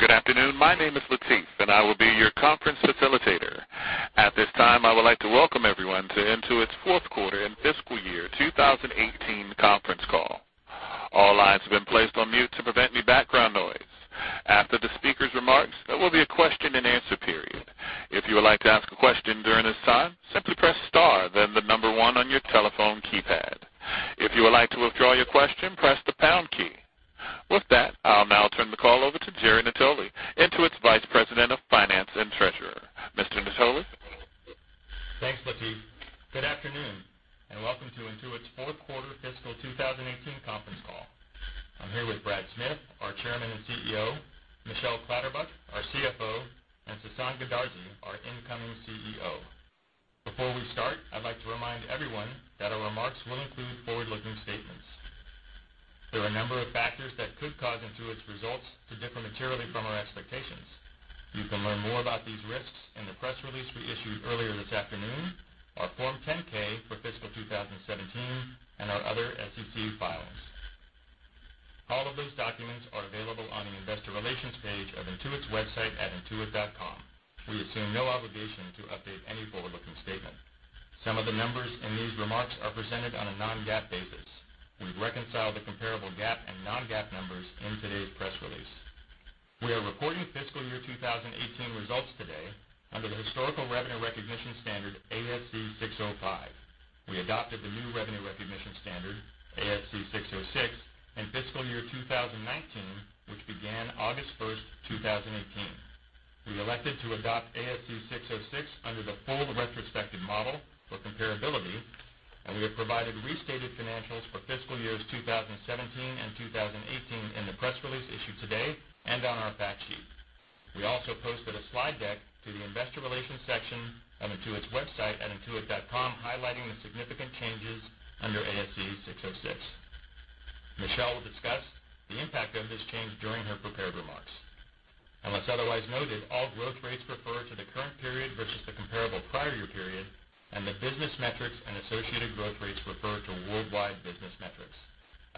Good afternoon. My name is Latif, and I will be your conference facilitator. At this time, I would like to welcome everyone to Intuit's fourth quarter and fiscal year 2018 conference call. All lines have been placed on mute to prevent any background noise. After the speaker's remarks, there will be a question and answer period. If you would like to ask a question during this time, simply press star, then the number 1 on your telephone keypad. If you would like to withdraw your question, press the pound key. With that, I'll now turn the call over to Jerry Natoli, Intuit's Vice President of Finance and Treasurer. Mr. Natoli? Thanks, Latif. Good afternoon, and welcome to Intuit's fourth quarter fiscal 2018 conference call. I'm here with Brad Smith, our Chairman and CEO, Michelle Clatterbuck, our CFO, and Sasan Goodarzi, our incoming CEO. Before we start, I'd like to remind everyone that our remarks will include forward-looking statements. There are a number of factors that could cause Intuit's results to differ materially from our expectations. You can learn more about these risks in the press release we issued earlier this afternoon, our Form 10-K for fiscal 2017, and our other SEC filings. All of these documents are available on the investor relations page of Intuit's website at intuit.com. We assume no obligation to update any forward-looking statement. Some of the numbers in these remarks are presented on a non-GAAP basis. We've reconciled the comparable GAAP and non-GAAP numbers in today's press release. We are reporting fiscal year 2018 results today under the historical revenue recognition standard, ASC 605. We adopted the new revenue recognition standard, ASC 606, in fiscal year 2019, which began August 1st, 2018. We elected to adopt ASC 606 under the full retrospective model for comparability, and we have provided restated financials for fiscal years 2017 and 2018 in the press release issued today and on our fact sheet. We also posted a slide deck to the investor relations section of Intuit's website at intuit.com, highlighting the significant changes under ASC 606. Michelle will discuss the impact of this change during her prepared remarks. Unless otherwise noted, all growth rates refer to the current period versus the comparable prior year period, and the business metrics and associated growth rates refer to worldwide business metrics.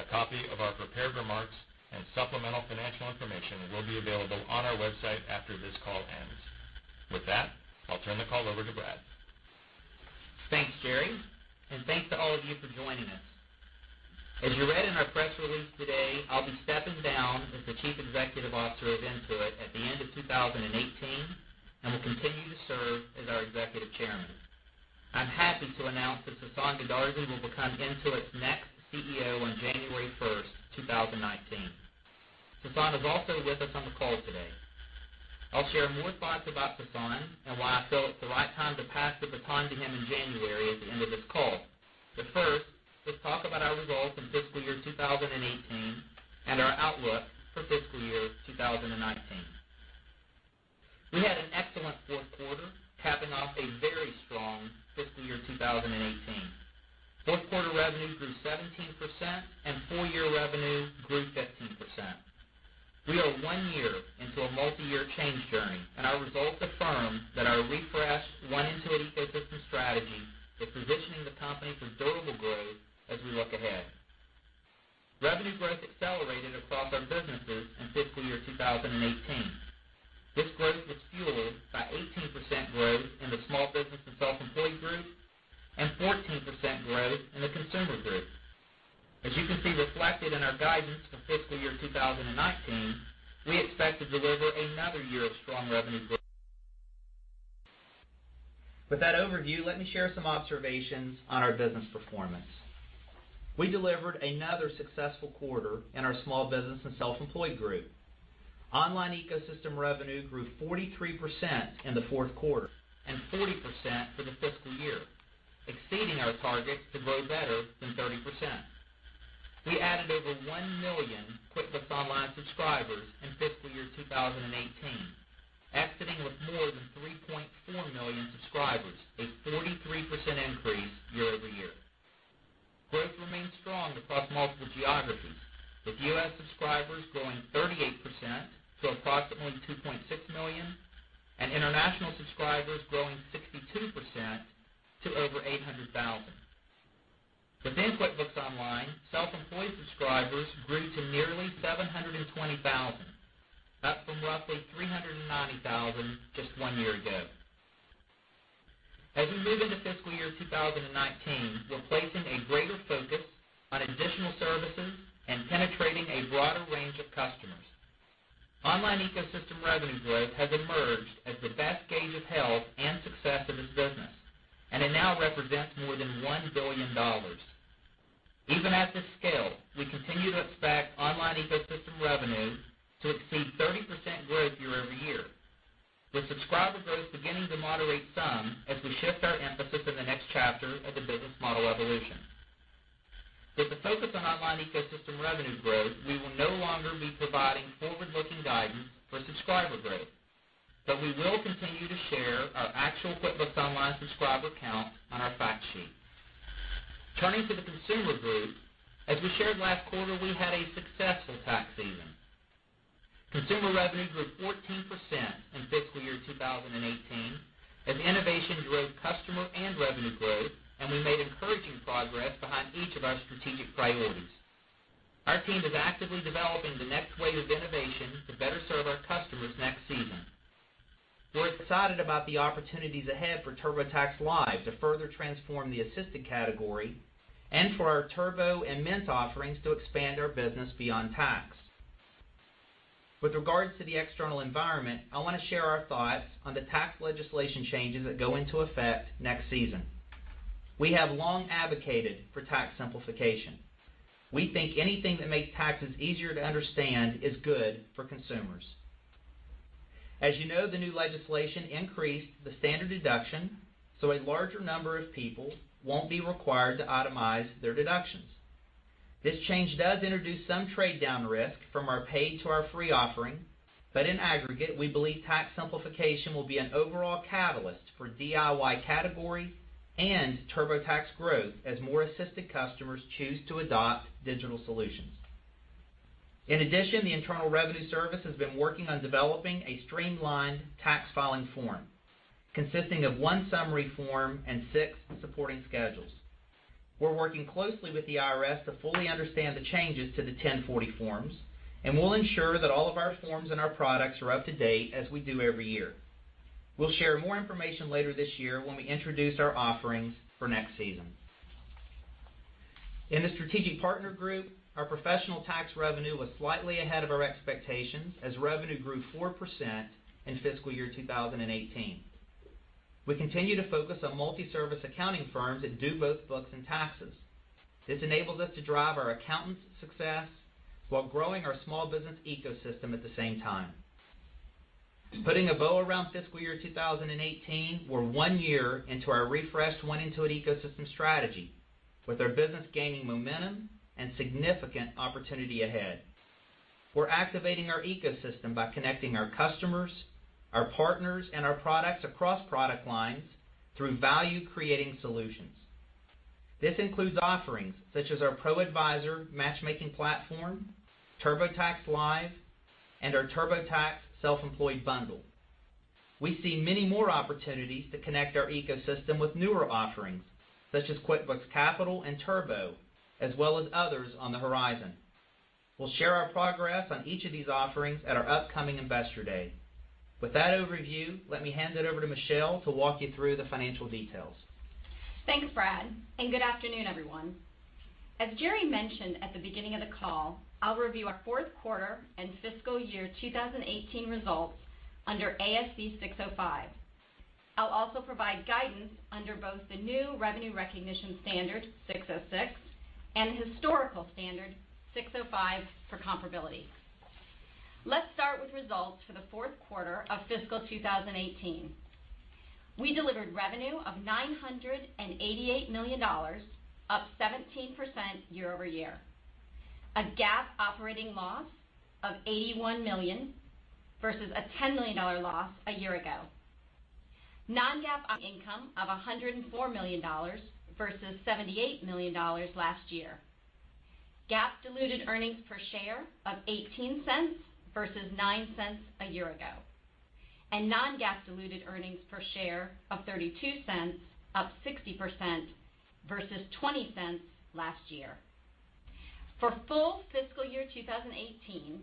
A copy of our prepared remarks and supplemental financial information will be available on our website after this call ends. With that, I'll turn the call over to Brad. Thanks, Jerry, and thanks to all of you for joining us. As you read in our press release today, I'll be stepping down as the Chief Executive Officer of Intuit at the end of 2018 and will continue to serve as our Executive Chairman. I'm happy to announce that Sasan Goodarzi will become Intuit's next CEO on January 1st, 2019. Sasan is also with us on the call today. I'll share more thoughts about Sasan and why I feel it's the right time to pass the baton to him in January at the end of this call. First, let's talk about our results in fiscal year 2018 and our outlook for fiscal year 2019. We had an excellent fourth quarter, capping off a very strong fiscal year 2018. Fourth-quarter revenue grew 17%, and full-year revenue grew 15%. We are one year into a multi-year change journey, and our results affirm that our refreshed One Intuit Ecosystem strategy is positioning the company for durable growth as we look ahead. Revenue growth accelerated across our businesses in fiscal year 2018. This growth was fueled by 18% growth in the Small Business and Self-Employed Group and 14% growth in the Consumer Group. As you can see reflected in our guidance for fiscal year 2019, we expect to deliver another year of strong revenue growth. With that overview, let me share some observations on our business performance. We delivered another successful quarter in our Small Business and Self-Employed Group. Online Ecosystem revenue grew 43% in the fourth quarter and 40% for the fiscal year, exceeding our target to grow better than 30%. We added over 1 million QuickBooks Online subscribers in fiscal year 2018, exiting with more than 3.4 million subscribers, a 43% increase year-over-year. Growth remains strong across multiple geographies, with U.S. subscribers growing 38% to approximately 2.6 million and international subscribers growing 62% to over 800,000. Within QuickBooks Online, self-employed subscribers grew to nearly 720,000, up from roughly 390,000 just one year ago. As we move into fiscal year 2019, we're placing a greater focus on additional services and penetrating a broader range of customers. Online Ecosystem revenue growth has emerged as the best gauge of health and success of this business, and it now represents more than $1 billion. Even at this scale, we continue to expect Online Ecosystem revenue to exceed 30% growth year-over-year, with subscriber growth beginning to moderate some as we shift our emphasis in the next chapter of the business model evolution. With the focus on Online Ecosystem revenue growth, we will no longer be providing forward-looking guidance for subscriber growth, but we will continue to share our actual QuickBooks Online subscriber count on our fact sheet. Turning to the Consumer Group, as we shared last quarter, we had a successful tax season. Consumer revenue grew 14% in fiscal year 2018 as innovation drove customer and revenue growth, and we made encouraging progress behind each of our strategic priorities. Our team is actively developing the next wave of innovation to better serve our customers next season. We're excited about the opportunities ahead for TurboTax Live to further transform the assisted category and for our Turbo and Mint offerings to expand our business beyond tax. With regards to the external environment, I want to share our thoughts on the tax legislation changes that go into effect next season. We have long advocated for tax simplification. We think anything that makes taxes easier to understand is good for consumers. As you know, the new legislation increased the standard deduction, a larger number of people won't be required to itemize their deductions. This change does introduce some trade-down risk from our paid to our free offering, in aggregate, we believe tax simplification will be an overall catalyst for DIY category and TurboTax growth as more assisted customers choose to adopt digital solutions. In addition, the Internal Revenue Service has been working on developing a streamlined tax filing form consisting of one summary form and six supporting schedules. We're working closely with the IRS to fully understand the changes to the 1040 forms, we'll ensure that all of our forms and our products are up to date as we do every year. We'll share more information later this year when we introduce our offerings for next season. In the strategic partner group, our professional tax revenue was slightly ahead of our expectations as revenue grew 4% in fiscal year 2018. We continue to focus on multi-service accounting firms that do both books and taxes. This enables us to drive our accountants' success while growing our small business ecosystem at the same time. Putting a bow around fiscal year 2018, we're one year into our refreshed One Intuit Ecosystem strategy, with our business gaining momentum and significant opportunity ahead. We're activating our ecosystem by connecting our customers, our partners, and our products across product lines through value-creating solutions. This includes offerings such as our ProAdvisor matchmaking platform, TurboTax Live, and our TurboTax Self-Employed bundle. We see many more opportunities to connect our ecosystem with newer offerings, such as QuickBooks Capital and Turbo, as well as others on the horizon. We'll share our progress on each of these offerings at our upcoming Investor Day. With that overview, let me hand it over to Michelle to walk you through the financial details. Thanks, Brad, and good afternoon, everyone. As Jerry mentioned at the beginning of the call, I'll review our fourth quarter and fiscal year 2018 results under ASC 605. I'll also provide guidance under both the new revenue recognition standard, 606, and historical standard 605 for comparability. Let's start with results for the fourth quarter of fiscal 2018. We delivered revenue of $988 million, up 17% year-over-year. A GAAP operating loss of $81 million versus a $10 million loss a year ago. Non-GAAP income of $104 million versus $78 million last year. GAAP diluted earnings per share of $0.18 versus $0.09 a year ago. Non-GAAP diluted earnings per share of $0.32, up 60%, versus $0.20 last year. For full fiscal year 2018,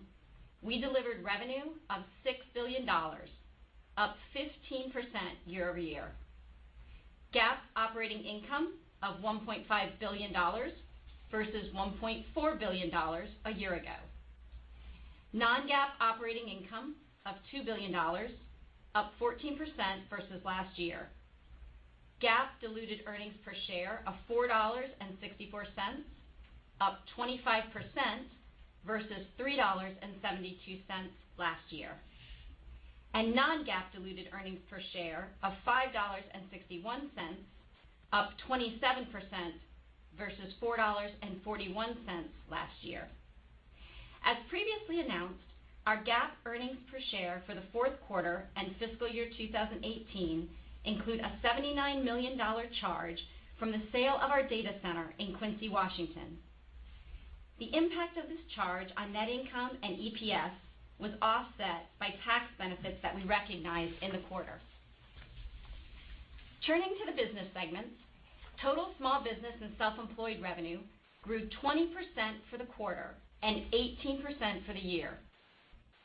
we delivered revenue of $6 billion, up 15% year-over-year. GAAP operating income of $1.5 billion versus $1.4 billion a year ago. Non-GAAP operating income of $2 billion, up 14% versus last year. GAAP diluted earnings per share of $4.64, up 25%, versus $3.72 last year. Non-GAAP diluted earnings per share of $5.61, up 27%, versus $4.41 last year. As previously announced, our GAAP earnings per share for the fourth quarter and fiscal year 2018 include a $79 million charge from the sale of our data center in Quincy, Washington. The impact of this charge on net income and EPS was offset by tax benefits that we recognized in the quarter. Turning to the business segments, total Small Business and Self-Employed revenue grew 20% for the quarter and 18% for the year.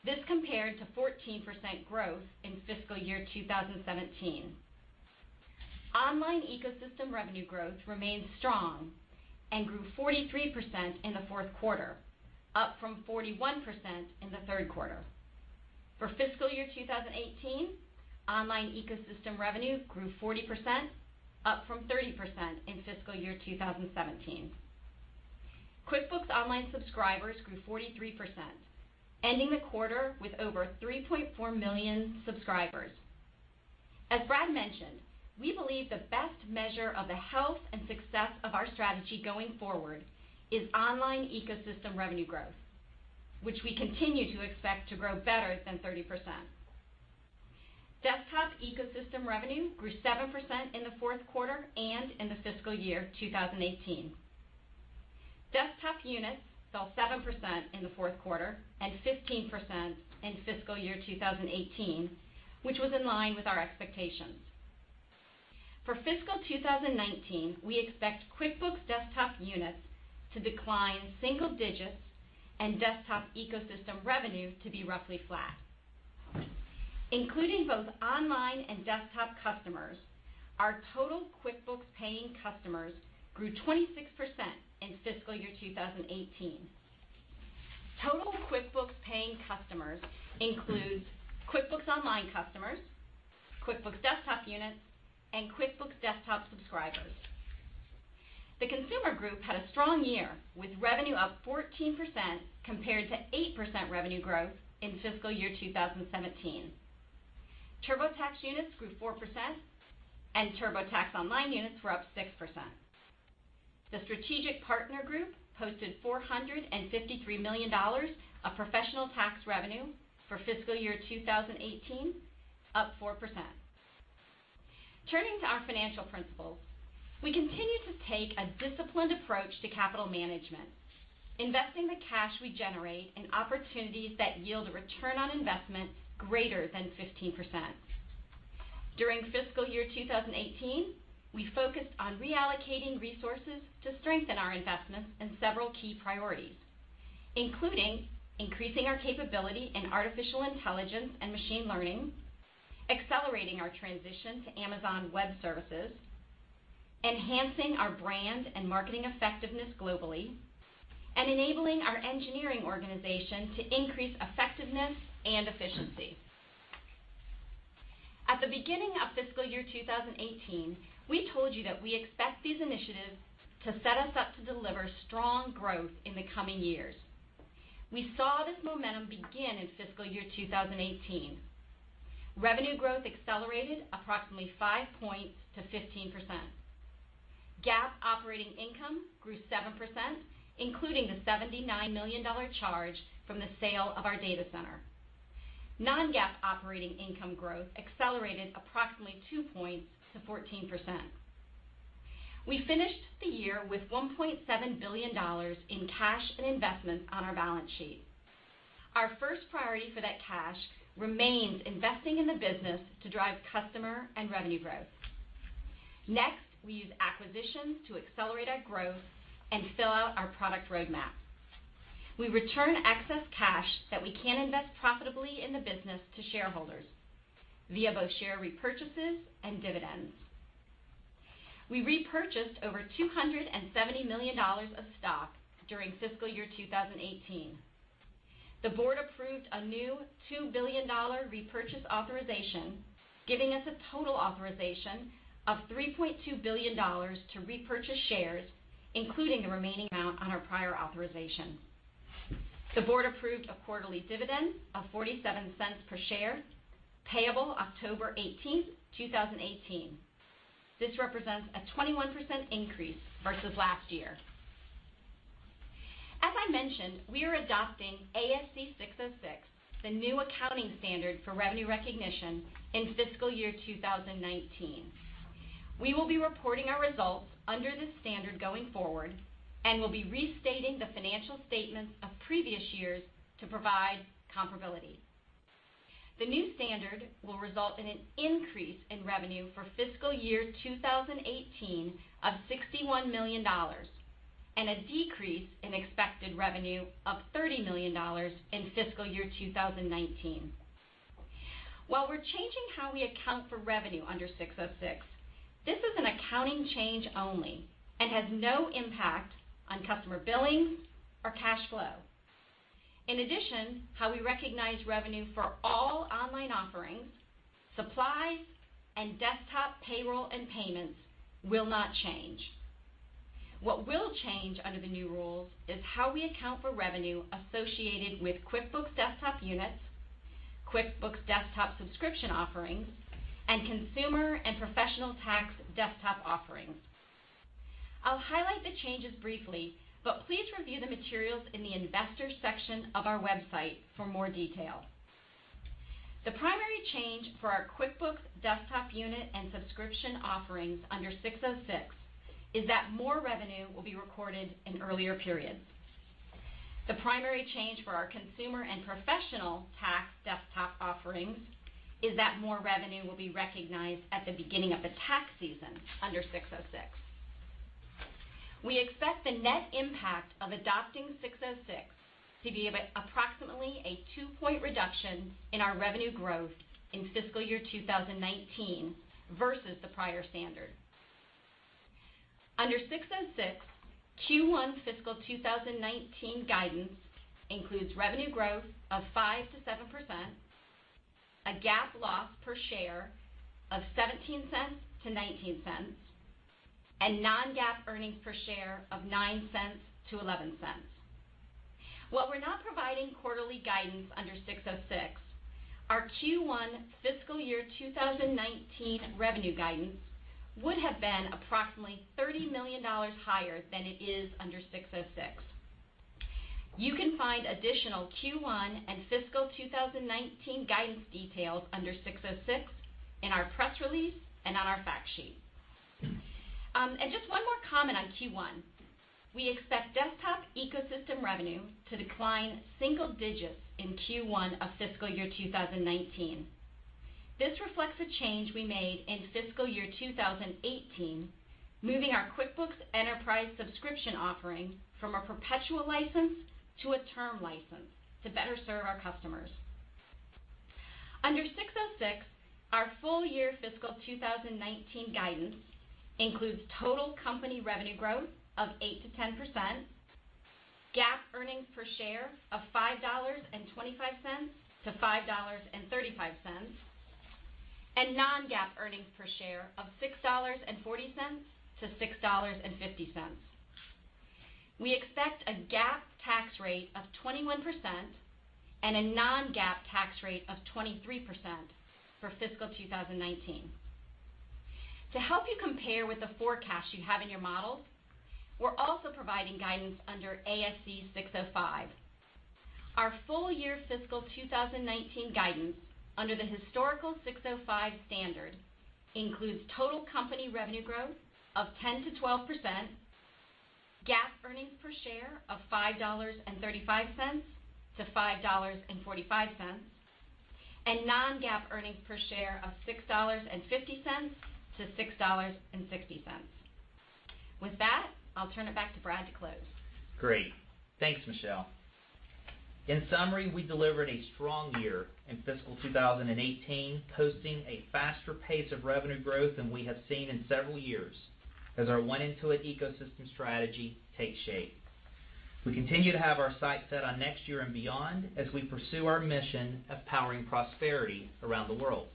This compared to 14% growth in fiscal year 2017. Online ecosystem revenue growth remained strong and grew 43% in the fourth quarter, up from 41% in the third quarter. For fiscal year 2018, online ecosystem revenue grew 40%, up from 30% in fiscal year 2017. QuickBooks Online subscribers grew 43%, ending the quarter with over 3.4 million subscribers. As Brad mentioned, we believe the best measure of the health and success of our strategy going forward is online ecosystem revenue growth, which we continue to expect to grow better than 30%. Desktop ecosystem revenue grew 7% in the fourth quarter and in the fiscal year 2018. Desktop units fell 7% in the fourth quarter and 15% in fiscal year 2018, which was in line with our expectations. For fiscal 2019, we expect QuickBooks Desktop units to decline single digits and Desktop ecosystem revenue to be roughly flat. Including both online and desktop customers, our total QuickBooks paying customers grew 26% in fiscal year 2018. Total QuickBooks paying customers includes QuickBooks Online customers, QuickBooks Desktop units, and QuickBooks Desktop subscribers. The Consumer Group had a strong year with revenue up 14% compared to 8% revenue growth in fiscal year 2017. TurboTax units grew 4%, and TurboTax Online units were up 6%. The strategic partner group posted $453 million of professional tax revenue for fiscal year 2018, up 4%. Turning to our financial principles, we continue to take a disciplined approach to capital management, investing the cash we generate in opportunities that yield a return on investment greater than 15%. During fiscal year 2018, we focused on reallocating resources to strengthen our investments in several key priorities, including increasing our capability in artificial intelligence and machine learning, accelerating our transition to Amazon Web Services, enhancing our brand and marketing effectiveness globally, and enabling our engineering organization to increase effectiveness and efficiency. At the beginning of fiscal year 2018, we told you that we expect these initiatives to set us up to deliver strong growth in the coming years. We saw this momentum begin in fiscal year 2018. Revenue growth accelerated approximately five points to 15%. GAAP operating income grew 7%, including the $79 million charge from the sale of our data center. Non-GAAP operating income growth accelerated approximately two points to 14%. We finished the year with $1.7 billion in cash and investments on our balance sheet. Our first priority for that cash remains investing in the business to drive customer and revenue growth. We use acquisitions to accelerate our growth and fill out our product roadmap. We return excess cash that we can invest profitably in the business to shareholders via both share repurchases and dividends. We repurchased over $270 million of stock during FY 2018. The board approved a new $2 billion repurchase authorization, giving us a total authorization of $3.2 billion to repurchase shares, including the remaining amount on our prior authorization. The board approved a quarterly dividend of $0.47 per share, payable October 18th, 2018. This represents a 21% increase versus last year. As I mentioned, we are adopting ASC 606, the new accounting standard for revenue recognition, in FY 2019. We will be reporting our results under this standard going forward and will be restating the financial statements of previous years to provide comparability. The new standard will result in an increase in revenue for FY 2018 of $61 million and a decrease in expected revenue of $30 million in FY 2019. While we're changing how we account for revenue under 606, this is an accounting change only and has no impact on customer billing or cash flow. In addition, how we recognize revenue for all online offerings, supplies, and QuickBooks Desktop payroll and payments will not change. What will change under the new rules is how we account for revenue associated with QuickBooks Desktop units, QuickBooks Desktop subscription offerings, and consumer and professional tax Desktop offerings. I'll highlight the changes briefly, please review the materials in the investors section of our website for more detail. The primary change for our QuickBooks Desktop unit and subscription offerings under 606 is that more revenue will be recorded in earlier periods. The primary change for our consumer and professional tax Desktop offerings is that more revenue will be recognized at the beginning of the tax season under 606. We expect the net impact of adopting 606 to be approximately a 2-point reduction in our revenue growth in FY 2019 versus the prior standard. Under 606, Q1 FY 2019 guidance includes revenue growth of 5%-7%, a GAAP loss per share of $0.17-$0.19, and non-GAAP earnings per share of $0.09-$0.11. While we're not providing quarterly guidance under 606, our Q1 FY 2019 revenue guidance would have been approximately $30 million higher than it is under 606. You can find additional Q1 and FY 2019 guidance details under 606 in our press release and on our fact sheet. Just one more comment on Q1. We expect QuickBooks Desktop ecosystem revenue to decline single-digits in Q1 of FY 2019. This reflects a change we made in FY 2018, moving our QuickBooks Enterprise subscription offering from a perpetual license to a term license to better serve our customers. Under 606, our full year FY 2019 guidance includes total company revenue growth of 8%-10%, GAAP earnings per share of $5.25-$5.35, and non-GAAP earnings per share of $6.40-$6.50. We expect a GAAP tax rate of 21% and a non-GAAP tax rate of 23% for FY 2019. To help you compare with the forecast you have in your models, we're also providing guidance under ASC 605. Our full year fiscal 2019 guidance under the historical ASC 605 standard includes total company revenue growth of 10%-12%, GAAP earnings per share of $5.35-$5.45, and non-GAAP earnings per share of $6.50-$6.60. With that, I'll turn it back to Brad to close. Great. Thanks, Michelle. In summary, we delivered a strong year in fiscal 2018, posting a faster pace of revenue growth than we have seen in several years as our One Intuit Ecosystem strategy takes shape. We continue to have our sights set on next year and beyond as we pursue our mission of powering prosperity around the world.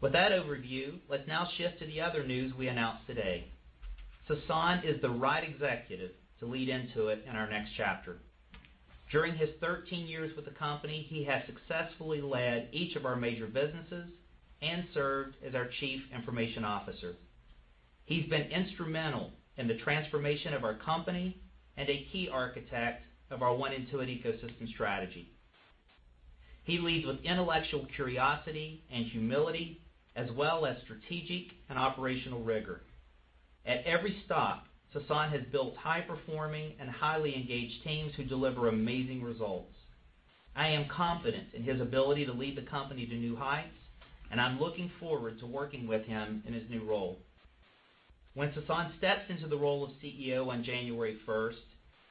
With that overview, let's now shift to the other news we announced today. Sasan is the right executive to lead Intuit in our next chapter. During his 13 years with the company, he has successfully led each of our major businesses and served as our Chief Information Officer. He's been instrumental in the transformation of our company and a key architect of our One Intuit Ecosystem strategy. He leads with intellectual curiosity and humility, as well as strategic and operational rigor. At every stop, Sasan has built high-performing and highly engaged teams who deliver amazing results. I am confident in his ability to lead the company to new heights, and I'm looking forward to working with him in his new role. When Sasan steps into the role of CEO on January 1st,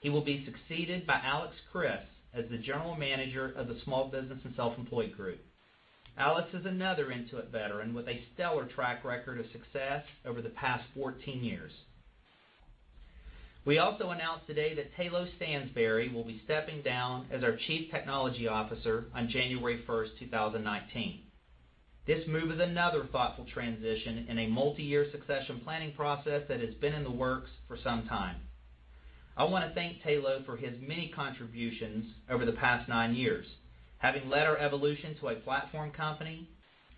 he will be succeeded by Alex Chriss as the General Manager of the Small Business and Self-Employed Group. Alex is another Intuit veteran with a stellar track record of success over the past 14 years. We also announced today that Tayloe Stansbury will be stepping down as our Chief Technology Officer on January 1st, 2019. This move is another thoughtful transition in a multi-year succession planning process that has been in the works for some time. I want to thank Tayloe for his many contributions over the past nine years. Having led our evolution to a platform company,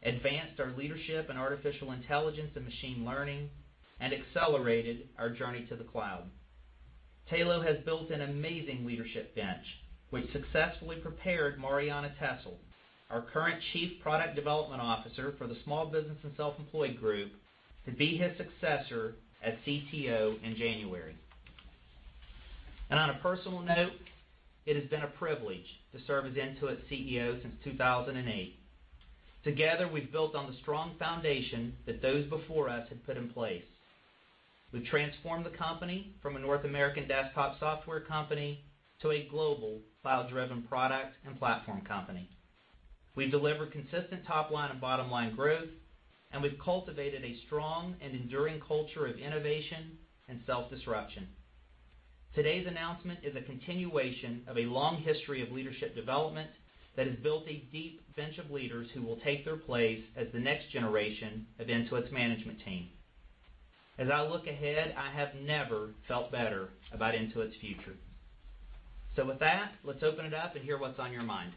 advanced our leadership in artificial intelligence and machine learning, and accelerated our journey to the cloud. Tayloe has built an amazing leadership bench, which successfully prepared Marianna Tessel, our current Chief Product Development Officer for the Small Business and Self-Employed Group, to be his successor as CTO in January. On a personal note, it has been a privilege to serve as Intuit's CEO since 2008. Together, we've built on the strong foundation that those before us had put in place. We've transformed the company from a North American desktop software company to a global, cloud-driven product and platform company. We've delivered consistent top-line and bottom-line growth, and we've cultivated a strong and enduring culture of innovation and self-disruption. Today's announcement is a continuation of a long history of leadership development that has built a deep bench of leaders who will take their place as the next generation of Intuit's management team. As I look ahead, I have never felt better about Intuit's future. With that, let's open it up and hear what's on your mind.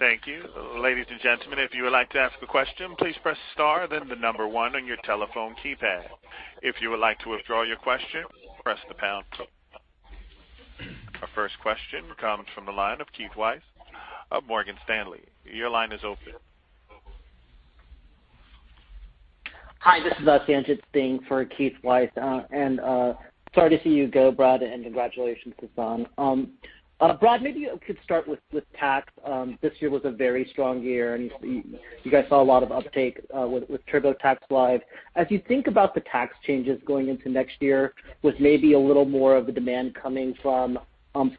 Thank you. Ladies and gentlemen, if you would like to ask a question, please press star then 1 on your telephone keypad. If you would like to withdraw your question, press the pound. Our first question comes from the line of Keith Weiss of Morgan Stanley. Your line is open. Hi, this is Sanjit Singh for Keith Weiss. Sorry to see you go, Brad, and congratulations, Sasan. Brad, maybe you could start with tax. This year was a very strong year, and you guys saw a lot of uptake with TurboTax Live. As you think about the tax changes going into next year with maybe a little more of the demand coming from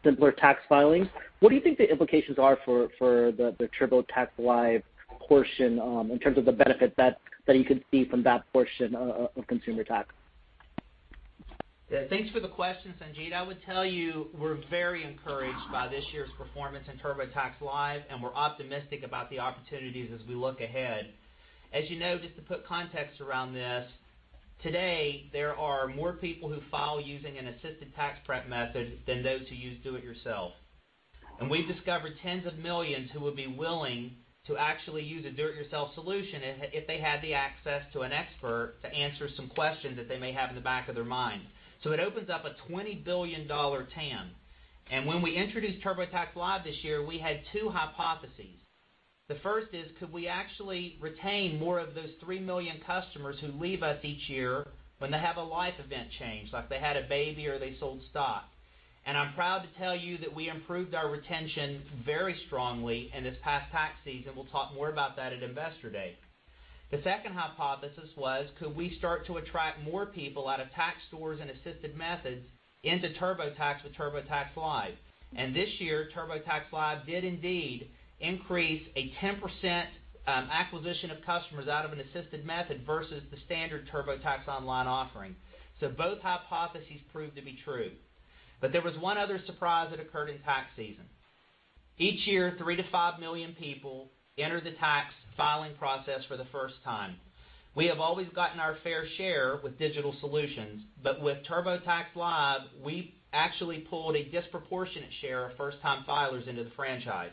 simpler tax filings, what do you think the implications are for the TurboTax Live portion in terms of the benefit that you could see from that portion of consumer tax? Yeah. Thanks for the question, Sanjit. I would tell you we're very encouraged by this year's performance in TurboTax Live, and we're optimistic about the opportunities as we look ahead. As you know, just to put context around this, today, there are more people who file using an assisted tax prep method than those who use do-it-yourself. We've discovered tens of millions who would be willing to actually use a do-it-yourself solution if they had the access to an expert to answer some questions that they may have in the back of their mind. It opens up a $20 billion TAM. When we introduced TurboTax Live this year, we had two hypotheses. The first is, could we actually retain more of those three million customers who leave us each year when they have a life event change, like they had a baby or they sold stock? I'm proud to tell you that we improved our retention very strongly in this past tax season. We'll talk more about that at Investor Day. The second hypothesis was, could we start to attract more people out of tax stores and assisted methods into TurboTax with TurboTax Live? This year, TurboTax Live did indeed increase a 10% acquisition of customers out of an assisted method versus the standard TurboTax Online offering. Both hypotheses proved to be true. There was one other surprise that occurred in tax season. Each year, 3 million-5 million people enter the tax filing process for the first time. We have always gotten our fair share with digital solutions, but with TurboTax Live, we actually pulled a disproportionate share of first-time filers into the franchise.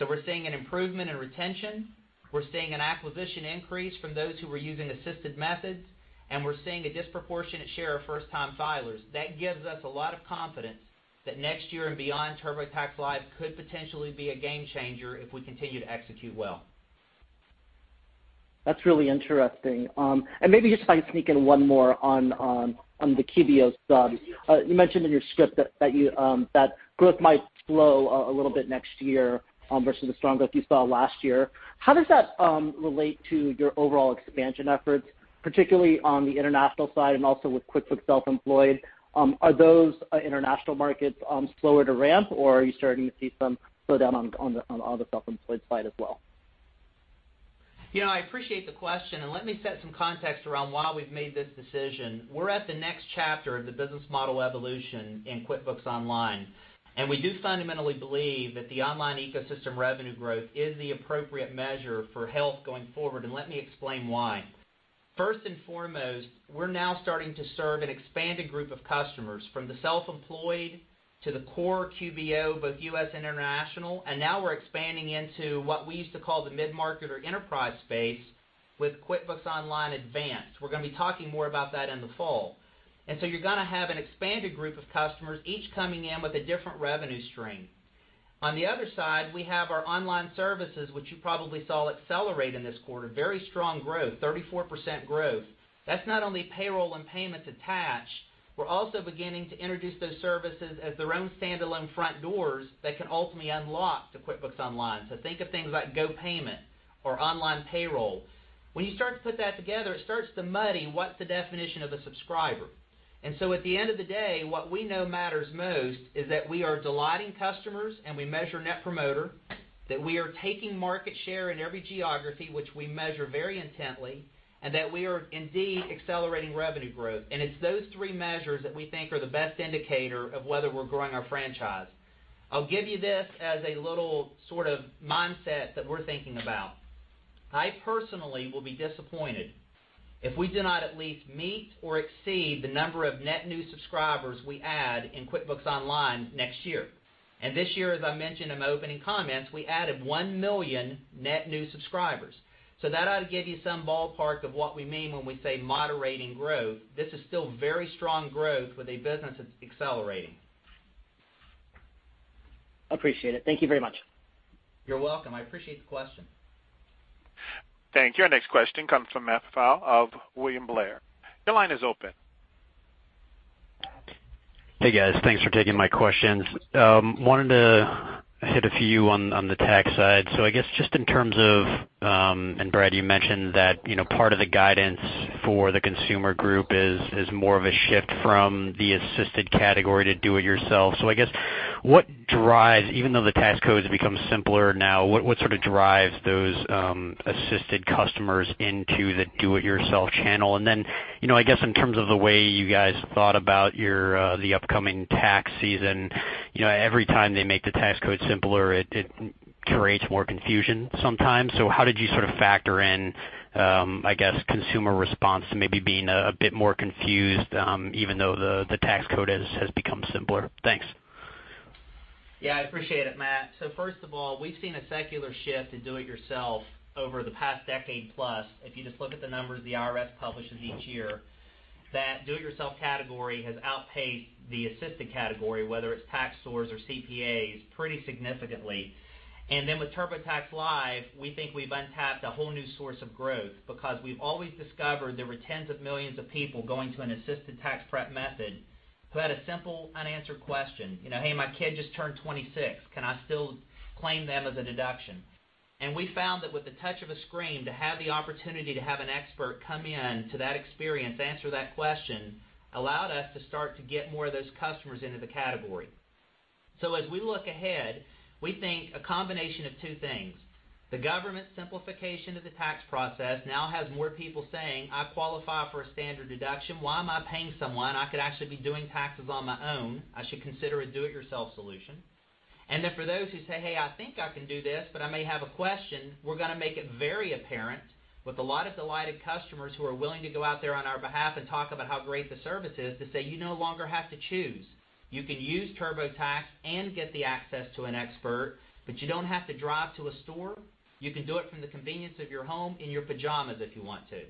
We're seeing an improvement in retention, we're seeing an acquisition increase from those who were using assisted methods, and we're seeing a disproportionate share of first-time filers. That gives us a lot of confidence that next year and beyond, TurboTax Live could potentially be a game changer if we continue to execute well. That's really interesting. Maybe just if I sneak in one more on the QBO sub. You mentioned in your script that growth might slow a little bit next year versus the strong growth you saw last year. How does that relate to your overall expansion efforts, particularly on the international side and also with QuickBooks Self-Employed? Are those international markets slower to ramp, or are you starting to see some slowdown on the self-employed side as well? I appreciate the question. Let me set some context around why we've made this decision. We're at the next chapter of the business model evolution in QuickBooks Online. We do fundamentally believe that the online ecosystem revenue growth is the appropriate measure for health going forward. Let me explain why. First and foremost, we're now starting to serve an expanded group of customers, from the self-employed to the core QBO, both U.S. and international, and now we're expanding into what we used to call the mid-market or enterprise space with QuickBooks Online Advanced. We're going to be talking more about that in the fall. You're going to have an expanded group of customers, each coming in with a different revenue stream. On the other side, we have our online services, which you probably saw accelerate in this quarter. Very strong growth, 34% growth. That's not only payroll and payments attached, we're also beginning to introduce those services as their own standalone front doors that can ultimately unlock to QuickBooks Online. Think of things like GoPayment or online payroll. When you start to put that together, it starts to muddy what's the definition of a subscriber. At the end of the day, what we know matters most is that we are delighting customers and we measure Net Promoter, that we are taking market share in every geography, which we measure very intently, and that we are indeed accelerating revenue growth. It's those three measures that we think are the best indicator of whether we're growing our franchise. I'll give you this as a little sort of mindset that we're thinking about. I personally will be disappointed if we do not at least meet or exceed the number of net new subscribers we add in QuickBooks Online next year. This year, as I mentioned in my opening comments, we added 1 million net new subscribers. That ought to give you some ballpark of what we mean when we say moderating growth. This is still very strong growth with a business that's accelerating. Appreciate it. Thank you very much. You're welcome. I appreciate the question. Thank you. Our next question comes from Matt Pfau of William Blair. Your line is open. Hey, guys. Thanks for taking my questions. Wanted to hit a few on the tax side. I guess just in terms of, and Brad, you mentioned that part of the guidance for the Consumer Group is more of a shift from the assisted category to do it yourself. I guess, even though the tax code's become simpler now, what sort of drives those assisted customers into the do-it-yourself channel? Then, I guess in terms of the way you guys thought about the upcoming tax season, every time they make the tax code simpler, it creates more confusion sometimes. How did you sort of factor in, I guess, consumer response to maybe being a bit more confused, even though the tax code has become simpler? Thanks. Yeah, I appreciate it, Matt. First of all, we've seen a secular shift to do it yourself over the past decade plus. If you just look at the numbers the IRS publishes each year, that do-it-yourself category has outpaced the assisted category, whether it's tax stores or CPAs, pretty significantly. Then with TurboTax Live, we think we've untapped a whole new source of growth because we've always discovered there were tens of millions of people going to an assisted tax prep method who had a simple unanswered question. "Hey, my kid just turned 26. Can I still claim them as a deduction?" We found that with the touch of a screen, to have the opportunity to have an expert come in to that experience, answer that question, allowed us to start to get more of those customers into the category. As we look ahead, we think a combination of two things. The government simplification of the tax process now has more people saying, "I qualify for a standard deduction. Why am I paying someone? I could actually be doing taxes on my own. I should consider a do-it-yourself solution." Then for those who say, "Hey, I think I can do this, but I may have a question," we're going to make it very apparent with a lot of delighted customers who are willing to go out there on our behalf and talk about how great the service is to say, you no longer have to choose. You can use TurboTax and get the access to an expert, but you don't have to drive to a store. You can do it from the convenience of your home, in your pajamas if you want to.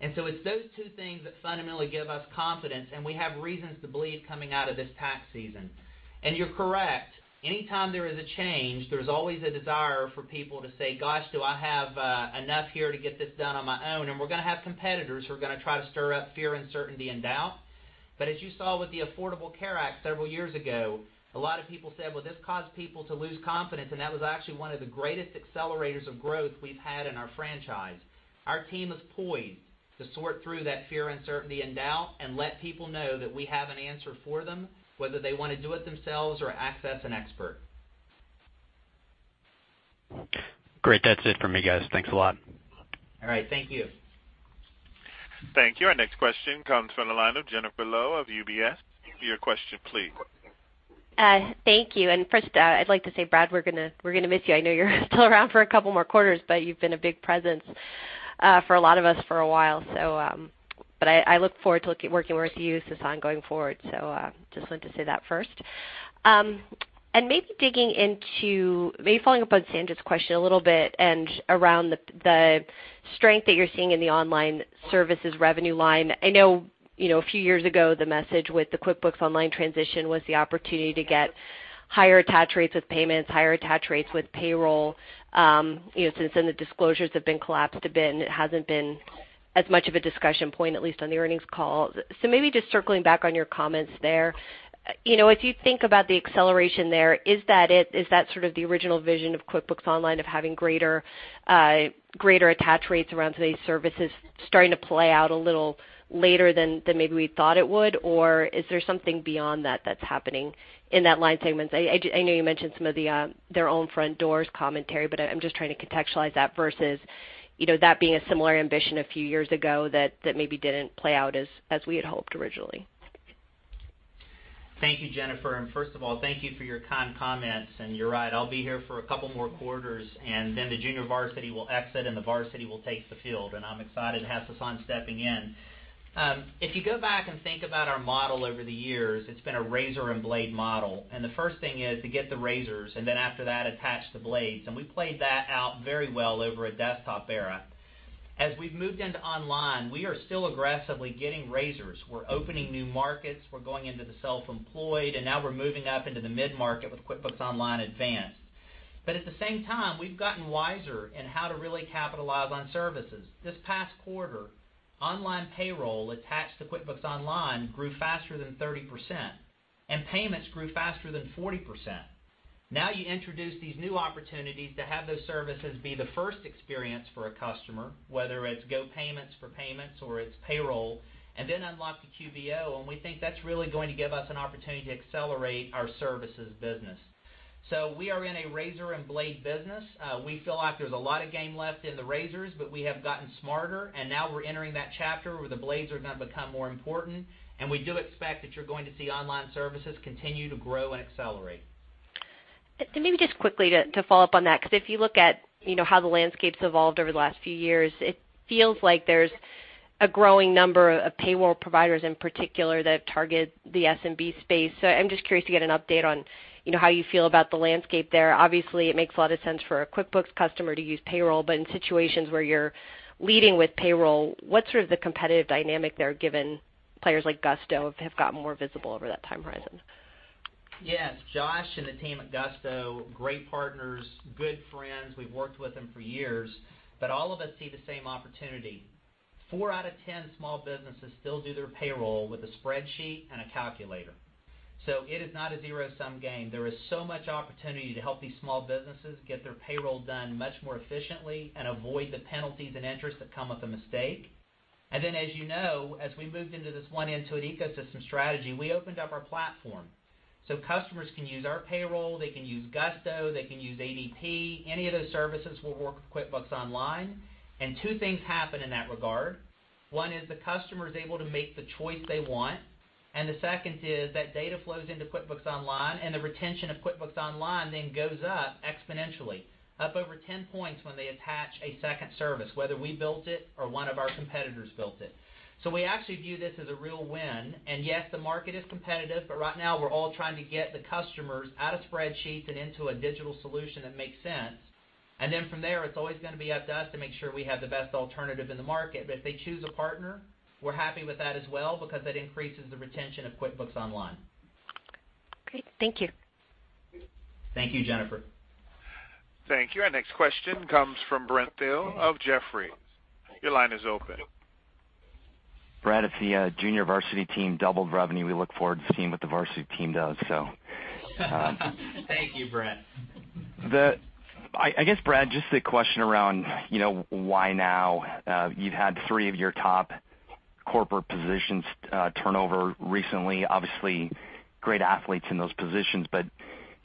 It's those two things that fundamentally give us confidence, and we have reasons to believe coming out of this tax season. You're correct. Anytime there is a change, there's always a desire for people to say, "Gosh, do I have enough here to get this done on my own?" We're going to have competitors who are going to try to stir up fear, uncertainty, and doubt. As you saw with the Affordable Care Act several years ago, a lot of people said, "Well, this caused people to lose confidence," and that was actually one of the greatest accelerators of growth we've had in our franchise. Our team is poised to sort through that fear, uncertainty, and doubt and let people know that we have an answer for them, whether they want to do it themselves or access an expert. Great. That's it from me, guys. Thanks a lot. All right. Thank you. Thank you. Our next question comes from the line of Jennifer Lowe of UBS. Your question, please. Thank you. First, I'd like to say, Brad, we're going to miss you. I know you're still around for a couple more quarters, but you've been a big presence for a lot of us for a while. I look forward to working with you, Sasan, going forward. Just wanted to say that first. Maybe following up on Sanjit's question a little bit and around the strength that you're seeing in the online services revenue line, I know a few years ago, the message with the QuickBooks Online transition was the opportunity to get higher attach rates with payments, higher attach rates with payroll. Since then, the disclosures have been collapsed. It hasn't been as much of a discussion point, at least on the earnings call. Maybe just circling back on your comments there. If you think about the acceleration there, is that it? Is that sort of the original vision of QuickBooks Online of having greater attach rates around some of these services starting to play out a little later than maybe we thought it would, or is there something beyond that that's happening in that line segment? I know you mentioned some of their own front doors commentary, but I'm just trying to contextualize that versus that being a similar ambition a few years ago that maybe didn't play out as we had hoped originally. Thank you, Jennifer. First of all, thank you for your kind comments. You're right, I'll be here for a couple more quarters, then the junior varsity will exit, the varsity will take the field. I'm excited to have Sasan stepping in. If you go back and think about our model over the years, it's been a razor and blade model, the first thing is to get the razors, then after that, attach the blades. We played that out very well over a desktop era. We've moved into online, we are still aggressively getting razors. We're opening new markets, we're going into the self-employed, now we're moving up into the mid-market with QuickBooks Online Advanced. At the same time, we've gotten wiser in how to really capitalize on services. This past quarter, online payroll attached to QuickBooks Online grew faster than 30%, payments grew faster than 40%. You introduce these new opportunities to have those services be the first experience for a customer, whether it's GoPayment for payments or it's payroll, then unlock the QBO, we think that's really going to give us an opportunity to accelerate our services business. We are in a razor and blade business. We feel like there's a lot of game left in the razors, we have gotten smarter, now we're entering that chapter where the blades are going to become more important, we do expect that you're going to see online services continue to grow and accelerate. Maybe just quickly to follow up on that, because if you look at how the landscape's evolved over the last few years, it feels like there's a growing number of payroll providers in particular that target the SMB space. I'm just curious to get an update on how you feel about the landscape there. Obviously, it makes a lot of sense for a QuickBooks customer to use payroll, but in situations where you're leading with payroll, what's sort of the competitive dynamic there, given players like Gusto have gotten more visible over that time horizon? Yes. Josh and the team at Gusto, great partners, good friends. We've worked with them for years. All of us see the same opportunity. Four out of 10 small businesses still do their payroll with a spreadsheet and a calculator. It is not a zero-sum game. There is so much opportunity to help these small businesses get their payroll done much more efficiently and avoid the penalties and interest that come with a mistake. As you know, as we moved into this One Intuit Ecosystem strategy, we opened up our platform. Customers can use our payroll, they can use Gusto, they can use ADP. Any of those services will work with QuickBooks Online. Two things happen in that regard. One is the customer is able to make the choice they want, and the second is that data flows into QuickBooks Online, and the retention of QuickBooks Online then goes up exponentially, up over 10 points when they attach a second service, whether we built it or one of our competitors built it. We actually view this as a real win. Yes, the market is competitive, right now, we're all trying to get the customers out of spreadsheets and into a digital solution that makes sense. From there, it's always going to be up to us to make sure we have the best alternative in the market. If they choose a partner, we're happy with that as well because that increases the retention of QuickBooks Online. Great. Thank you. Thank you, Jennifer. Thank you. Our next question comes from Brent Thill of Jefferies. Your line is open. Brad, if the junior varsity team doubled revenue, we look forward to seeing what the varsity team does, so. Thank you, Brent. I guess, Brad, just a question around why now. You've had three of your top corporate positions turn over recently. Obviously, great athletes in those positions, but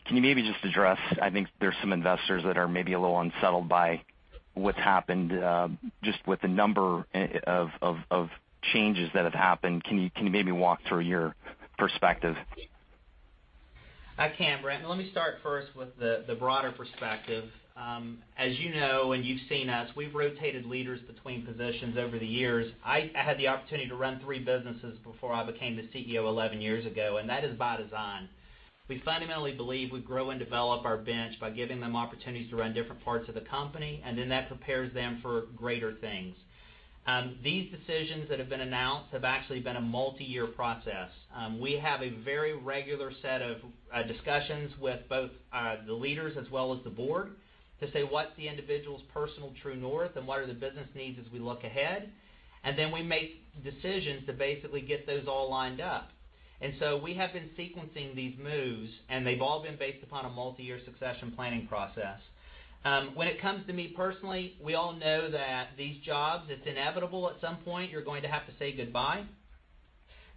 can you maybe just address, I think there's some investors that are maybe a little unsettled by what's happened, just with the number of changes that have happened. Can you maybe walk through your perspective? I can, Brent. Let me start first with the broader perspective. As you know and you've seen us, we've rotated leaders between positions over the years. I had the opportunity to run three businesses before I became the CEO 11 years ago, and that is by design. We fundamentally believe we grow and develop our bench by giving them opportunities to run different parts of the company, and then that prepares them for greater things. These decisions that have been announced have actually been a multi-year process. We have a very regular set of discussions with both the leaders as well as the board to say what's the individual's personal true north, and what are the business needs as we look ahead. Then we make decisions to basically get those all lined up. So we have been sequencing these moves, and they've all been based upon a multi-year succession planning process. When it comes to me personally, we all know that these jobs, it's inevitable at some point you're going to have to say goodbye.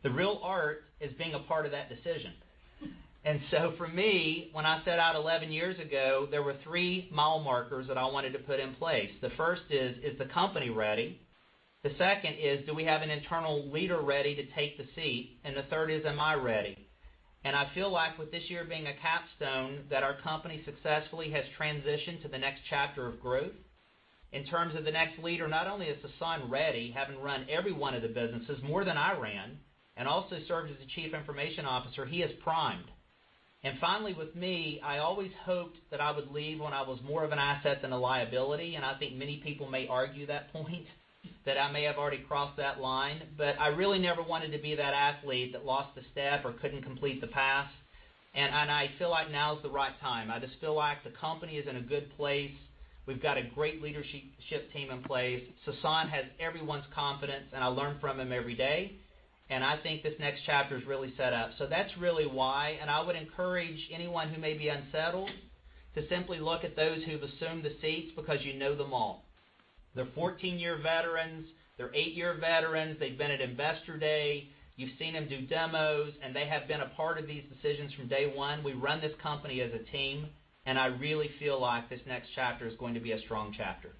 The real art is being a part of that decision. So for me, when I set out 11 years ago, there were three mile markers that I wanted to put in place. The first is the company ready? The second is, do we have an internal leader ready to take the seat? The third is, am I ready? I feel like with this year being a capstone, that our company successfully has transitioned to the next chapter of growth. In terms of the next leader, not only is Sasan ready, having run every one of the businesses more than I ran, and also served as the Chief Information Officer, he is primed. Finally with me, I always hoped that I would leave when I was more of an asset than a liability, and I think many people may argue that point, that I may have already crossed that line, but I really never wanted to be that athlete that lost a step or couldn't complete the pass. I feel like now is the right time. I just feel like the company is in a good place. We've got a great leadership team in place. Sasan has everyone's confidence, and I learn from him every day. I think this next chapter's really set up. That's really why, and I would encourage anyone who may be unsettled to simply look at those who've assumed the seats because you know them all. They're 14-year veterans, they're eight-year veterans, they've been at Investor Day, you've seen them do demos, and they have been a part of these decisions from day one. We run this company as a team, and I really feel like this next chapter is going to be a strong chapter.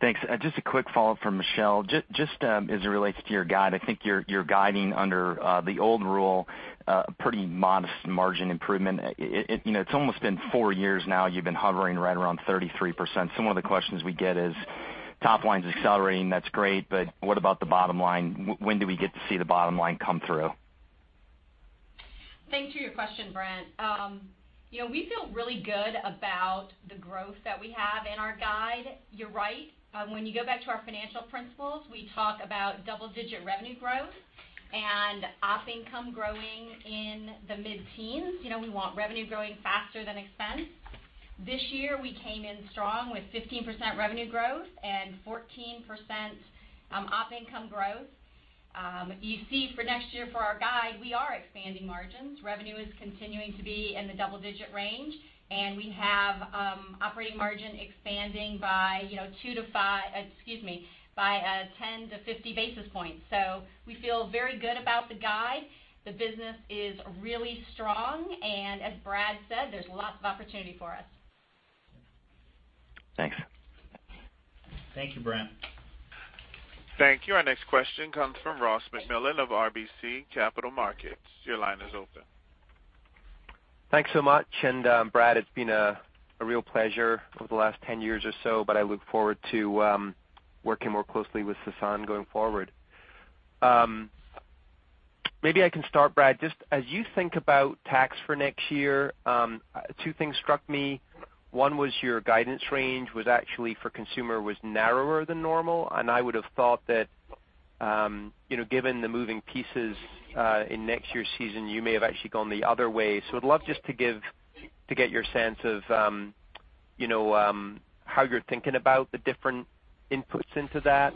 Thanks. Just a quick follow-up from Michelle. Just as it relates to your guide, I think you're guiding under the old rule, a pretty modest margin improvement. It's almost been four years now, you've been hovering right around 33%. Some of the questions we get is, top line's accelerating, that's great, but what about the bottom line? When do we get to see the bottom line come through? Thanks for your question, Brent. We feel really good about the growth that we have in our guide. You're right, when you go back to our financial principles, we talk about double-digit revenue growth and op income growing in the mid-teens. We want revenue growing faster than expense. This year, we came in strong with 15% revenue growth and 14% op income growth. You see for next year for our guide, we are expanding margins. Revenue is continuing to be in the double-digit range, and we have operating margin expanding by 10 to 50 basis points. We feel very good about the guide. The business is really strong, and as Brad said, there's lots of opportunity for us. Thanks. Thank you, Brent. Thank you. Our next question comes from Ross MacMillan of RBC Capital Markets. Your line is open. Thanks so much. Brad, it has been a real pleasure over the last 10 years or so, but I look forward to working more closely with Sasan going forward. Maybe I can start, Brad, just as you think about tax for next year, two things struck me. One was your guidance range was actually for consumer was narrower than normal, and I would have thought that, given the moving pieces in next year's season, you may have actually gone the other way. Would love just to get your sense of how you are thinking about the different inputs into that.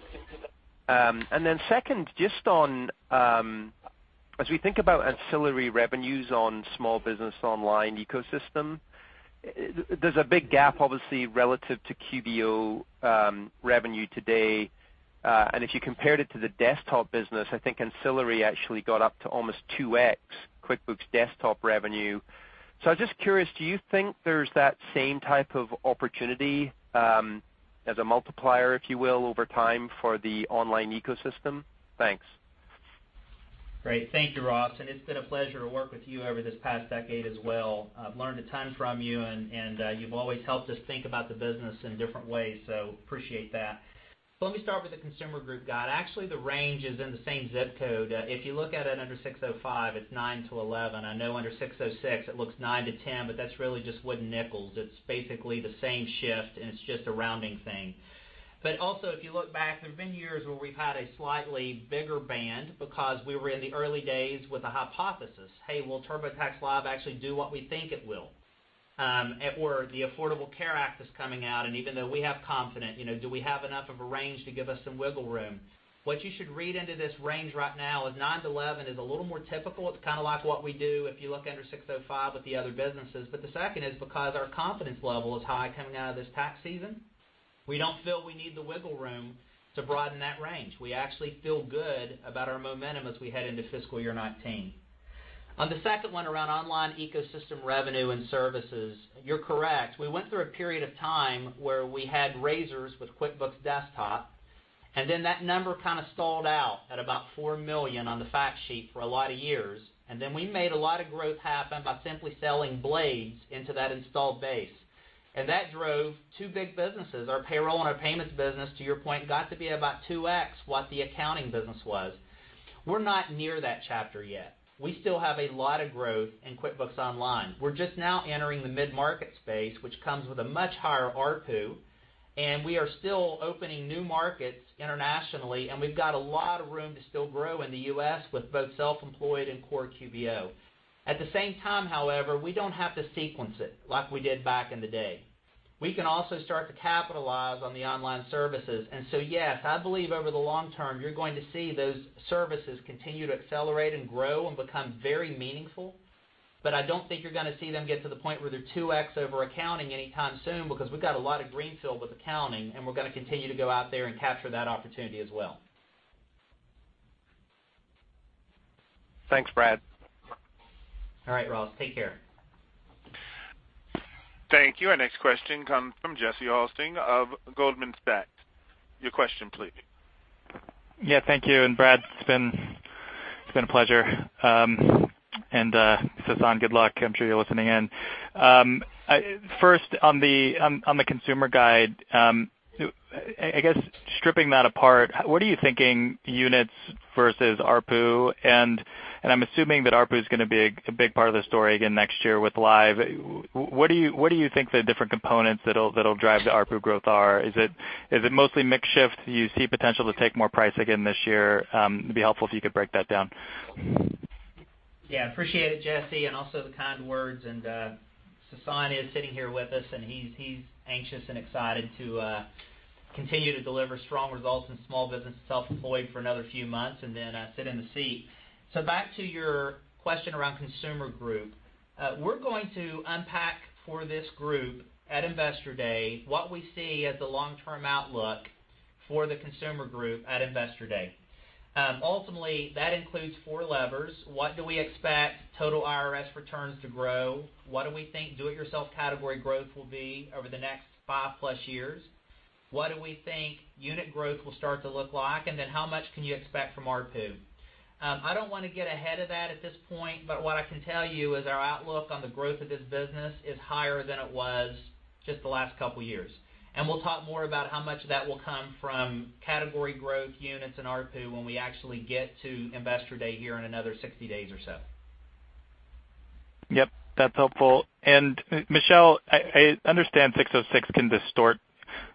Then second, as we think about ancillary revenues on small business online ecosystem, there is a big gap, obviously, relative to QBO revenue today. If you compared it to the desktop business, I think ancillary actually got up to almost two X QuickBooks Desktop revenue. I was just curious, do you think there is that same type of opportunity, as a multiplier, if you will, over time for the online ecosystem? Thanks. Great. Thank you, Ross, It has been a pleasure to work with you over this past decade as well. I have learned a ton from you, and you have always helped us think about the business in different ways, appreciate that. Let me start with the Consumer Group guide. Actually, the range is in the same ZIP code. If you look at it under 605, it is 9 to 11. I know under 606 it looks 9 to 10, but that is really just wooden nickels. It is basically the same shift, and it is just a rounding thing. Also, if you look back, there have been years where we have had a slightly bigger band because we were in the early days with a hypothesis, hey, will TurboTax Live actually do what we think it will? The Affordable Care Act is coming out, and even though we have confidence, do we have enough of a range to give us some wiggle room? What you should read into this range right now is nine to 11 is a little more typical. It's kind of like what we do if you look under ASC 605 with the other businesses. The second is because our confidence level is high coming out of this tax season, we don't feel we need the wiggle room to broaden that range. We actually feel good about our momentum as we head into fiscal year 2019. On the second one around online ecosystem revenue and services, you're correct. We went through a period of time where we had razors with QuickBooks Desktop, and then that number kind of stalled out at about $4 million on the fact sheet for a lot of years. We made a lot of growth happen by simply selling blades into that installed base. That drove two big businesses. Our payroll and our payments business, to your point, got to be about 2x what the accounting business was. We're not near that chapter yet. We still have a lot of growth in QuickBooks Online. We're just now entering the mid-market space, which comes with a much higher ARPU, and we are still opening new markets internationally, and we've got a lot of room to still grow in the U.S. with both Self-Employed and core QBO. At the same time, however, we don't have to sequence it like we did back in the day. We can also start to capitalize on the online services. Yes, I believe over the long term, you're going to see those services continue to accelerate and grow and become very meaningful. I don't think you're going to see them get to the point where they're 2x over accounting anytime soon because we've got a lot of greenfield with accounting, and we're going to continue to go out there and capture that opportunity as well. Thanks, Brad. All right, Ross. Take care. Thank you. Our next question comes from Jesse Hulsing of Goldman Sachs. Your question, please. Yeah, thank you. Brad, it's been a pleasure. Sasan, good luck. I'm sure you're listening in. First, on the consumer guide, I guess stripping that apart, what are you thinking units versus ARPU? I'm assuming that ARPU is going to be a big part of the story again next year with Live. What do you think the different components that'll drive the ARPU growth are? Is it mostly mix shift? Do you see potential to take more price again this year? It'd be helpful if you could break that down. Yeah, appreciate it, Jesse, also the kind words. Sasan is sitting here with us, he's anxious and excited to continue to deliver strong results in Small Business and Self-Employed for another few months, then sit in the seat. Back to your question around Consumer Group. We're going to unpack for this group at Investor Day what we see as the long-term outlook for the Consumer Group at Investor Day. Ultimately, that includes four levers. What do we expect total IRS returns to grow? What do we think do it yourself category growth will be over the next five-plus years? What do we think unit growth will start to look like? Then how much can you expect from ARPU? I don't want to get ahead of that at this point, what I can tell you is our outlook on the growth of this business is higher than it was just the last couple of years. We'll talk more about how much of that will come from category growth units and ARPU when we actually get to Investor Day here in another 60 days or so. Yep. That's helpful. Michelle, I understand ASC 606 can distort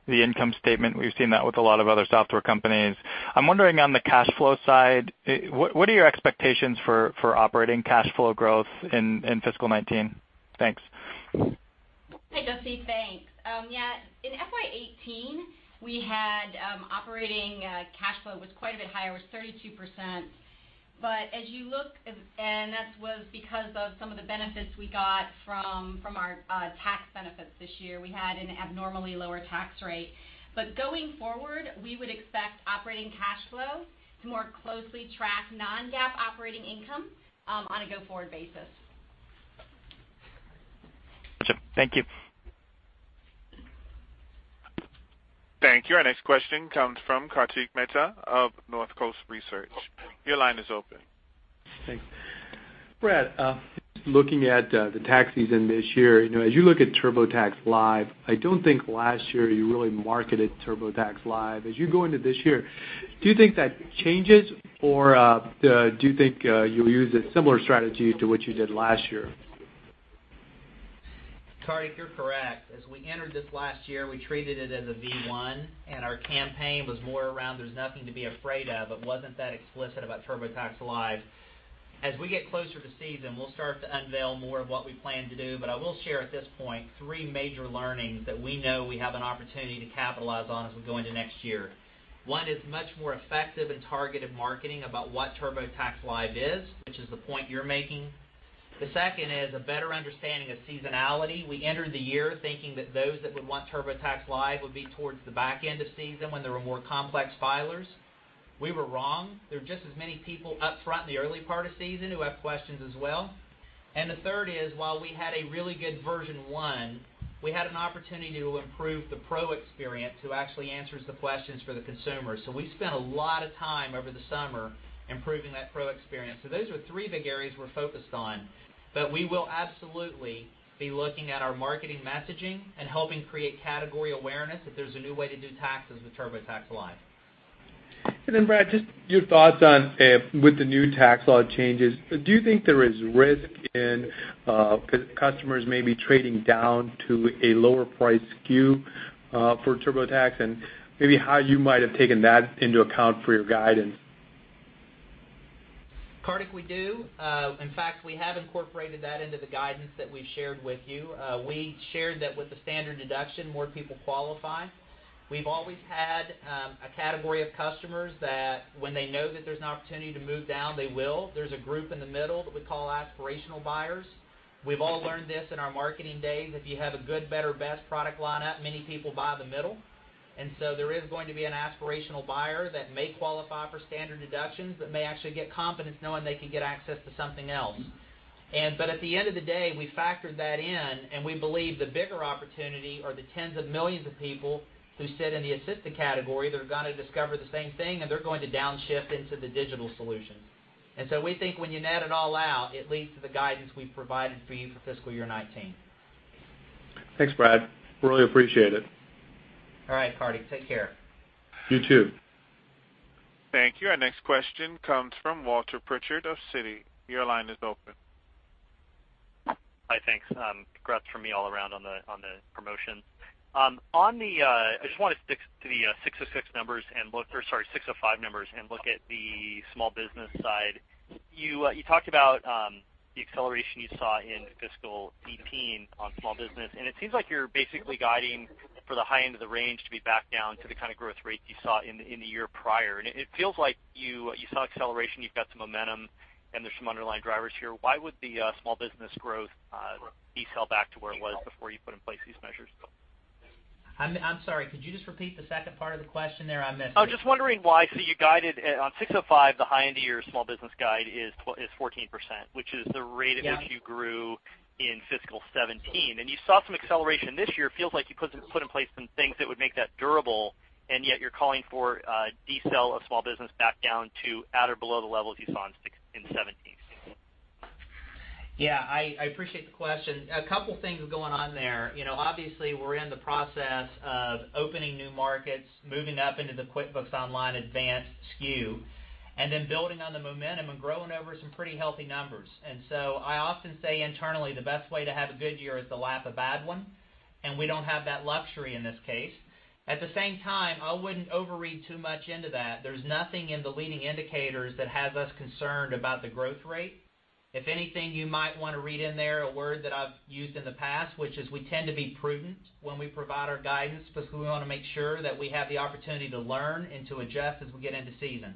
the income statement. We've seen that with a lot of other software companies. I'm wondering on the cash flow side, what are your expectations for operating cash flow growth in fiscal 2019? Thanks. Hey, Jesse. Thanks. Yeah, in FY 2018, we had operating cash flow was quite a bit higher, it was 32%. That was because of some of the benefits we got from our tax benefits this year. We had an abnormally lower tax rate. Going forward, we would expect operating cash flow to more closely track non-GAAP operating income on a go-forward basis. Got you. Thank you. Thank you. Our next question comes from Kartik Mehta of Northcoast Research. Your line is open. Thanks. Brad, looking at the tax season this year, as you look at TurboTax Live, I don't think last year you really marketed TurboTax Live. As you go into this year, do you think that changes, or do you think you'll use a similar strategy to what you did last year? Kartik, you're correct. As we entered this last year, we treated it as a V1. Our campaign was more around there's nothing to be afraid of. It wasn't that explicit about TurboTax Live. As we get closer to season, we'll start to unveil more of what we plan to do. I will share at this point three major learnings that we know we have an opportunity to capitalize on as we go into next year. One is much more effective and targeted marketing about what TurboTax Live is, which is the point you're making. The second is a better understanding of seasonality. We entered the year thinking that those that would want TurboTax Live would be towards the back end of season when there were more complex filers. We were wrong. There are just as many people up front in the early part of season who have questions as well. The third is, while we had a really good version 1, we had an opportunity to improve the pro experience, who actually answers the questions for the consumer. We spent a lot of time over the summer improving that pro experience. Those are three big areas we're focused on. We will absolutely be looking at our marketing messaging and helping create category awareness that there's a new way to do taxes with TurboTax Live. Brad, just your thoughts on with the new tax law changes, do you think there is risk in customers maybe trading down to a lower price SKU for TurboTax, and maybe how you might have taken that into account for your guidance? Kartik, we do. In fact, we have incorporated that into the guidance that we've shared with you. We shared that with the standard deduction, more people qualify. We've always had a category of customers that when they know that there's an opportunity to move down, they will. There's a group in the middle that we call aspirational buyers. We've all learned this in our marketing days. If you have a good, better, best product lineup, many people buy the middle. There is going to be an aspirational buyer that may qualify for standard deductions but may actually get confidence knowing they can get access to something else. At the end of the day, we factored that in, and we believe the bigger opportunity are the tens of millions of people who sit in the assisted category that are going to discover the same thing, and they're going to downshift into the digital solutions. So we think when you net it all out, it leads to the guidance we've provided for you for fiscal year 2019. Thanks, Brad. Really appreciate it. All right, Kartik. Take care. You too. Thank you. Our next question comes from Walter Pritchard of Citi. Your line is open. Hi. Thanks. Congrats from me all around on the promotions. I just want to stick to the 606 numbers or sorry, 605 numbers and look at the small business side. You talked about the acceleration you saw in fiscal 2018 on small business, it seems like you're basically guiding for the high end of the range to be back down to the kind of growth rate you saw in the year prior. It feels like you saw acceleration, you've got some momentum, and there's some underlying drivers here. Why would the small business growth decel back to where it was before you put in place these measures? I'm sorry. Could you just repeat the second part of the question there? I missed it. I'm just wondering why. You guided on ASC 605, the high end of your small business guide is 14%, which is the rate at which you grew in fiscal 2017. You saw some acceleration this year, feels like you put in place some things that would make that durable, and yet you're calling for a decel of small business back down to at or below the levels you saw in 2017. Yeah. I appreciate the question. A couple things going on there. Obviously, we're in the process of opening new markets, moving up into the QuickBooks Online Advanced SKU, and then building on the momentum and growing over some pretty healthy numbers. I often say internally, the best way to have a good year is to lap a bad one, and we don't have that luxury in this case. At the same time, I wouldn't overread too much into that. There's nothing in the leading indicators that has us concerned about the growth rate. If anything, you might want to read in there a word that I've used in the past, which is we tend to be prudent when we provide our guidance because we want to make sure that we have the opportunity to learn and to adjust as we get into season.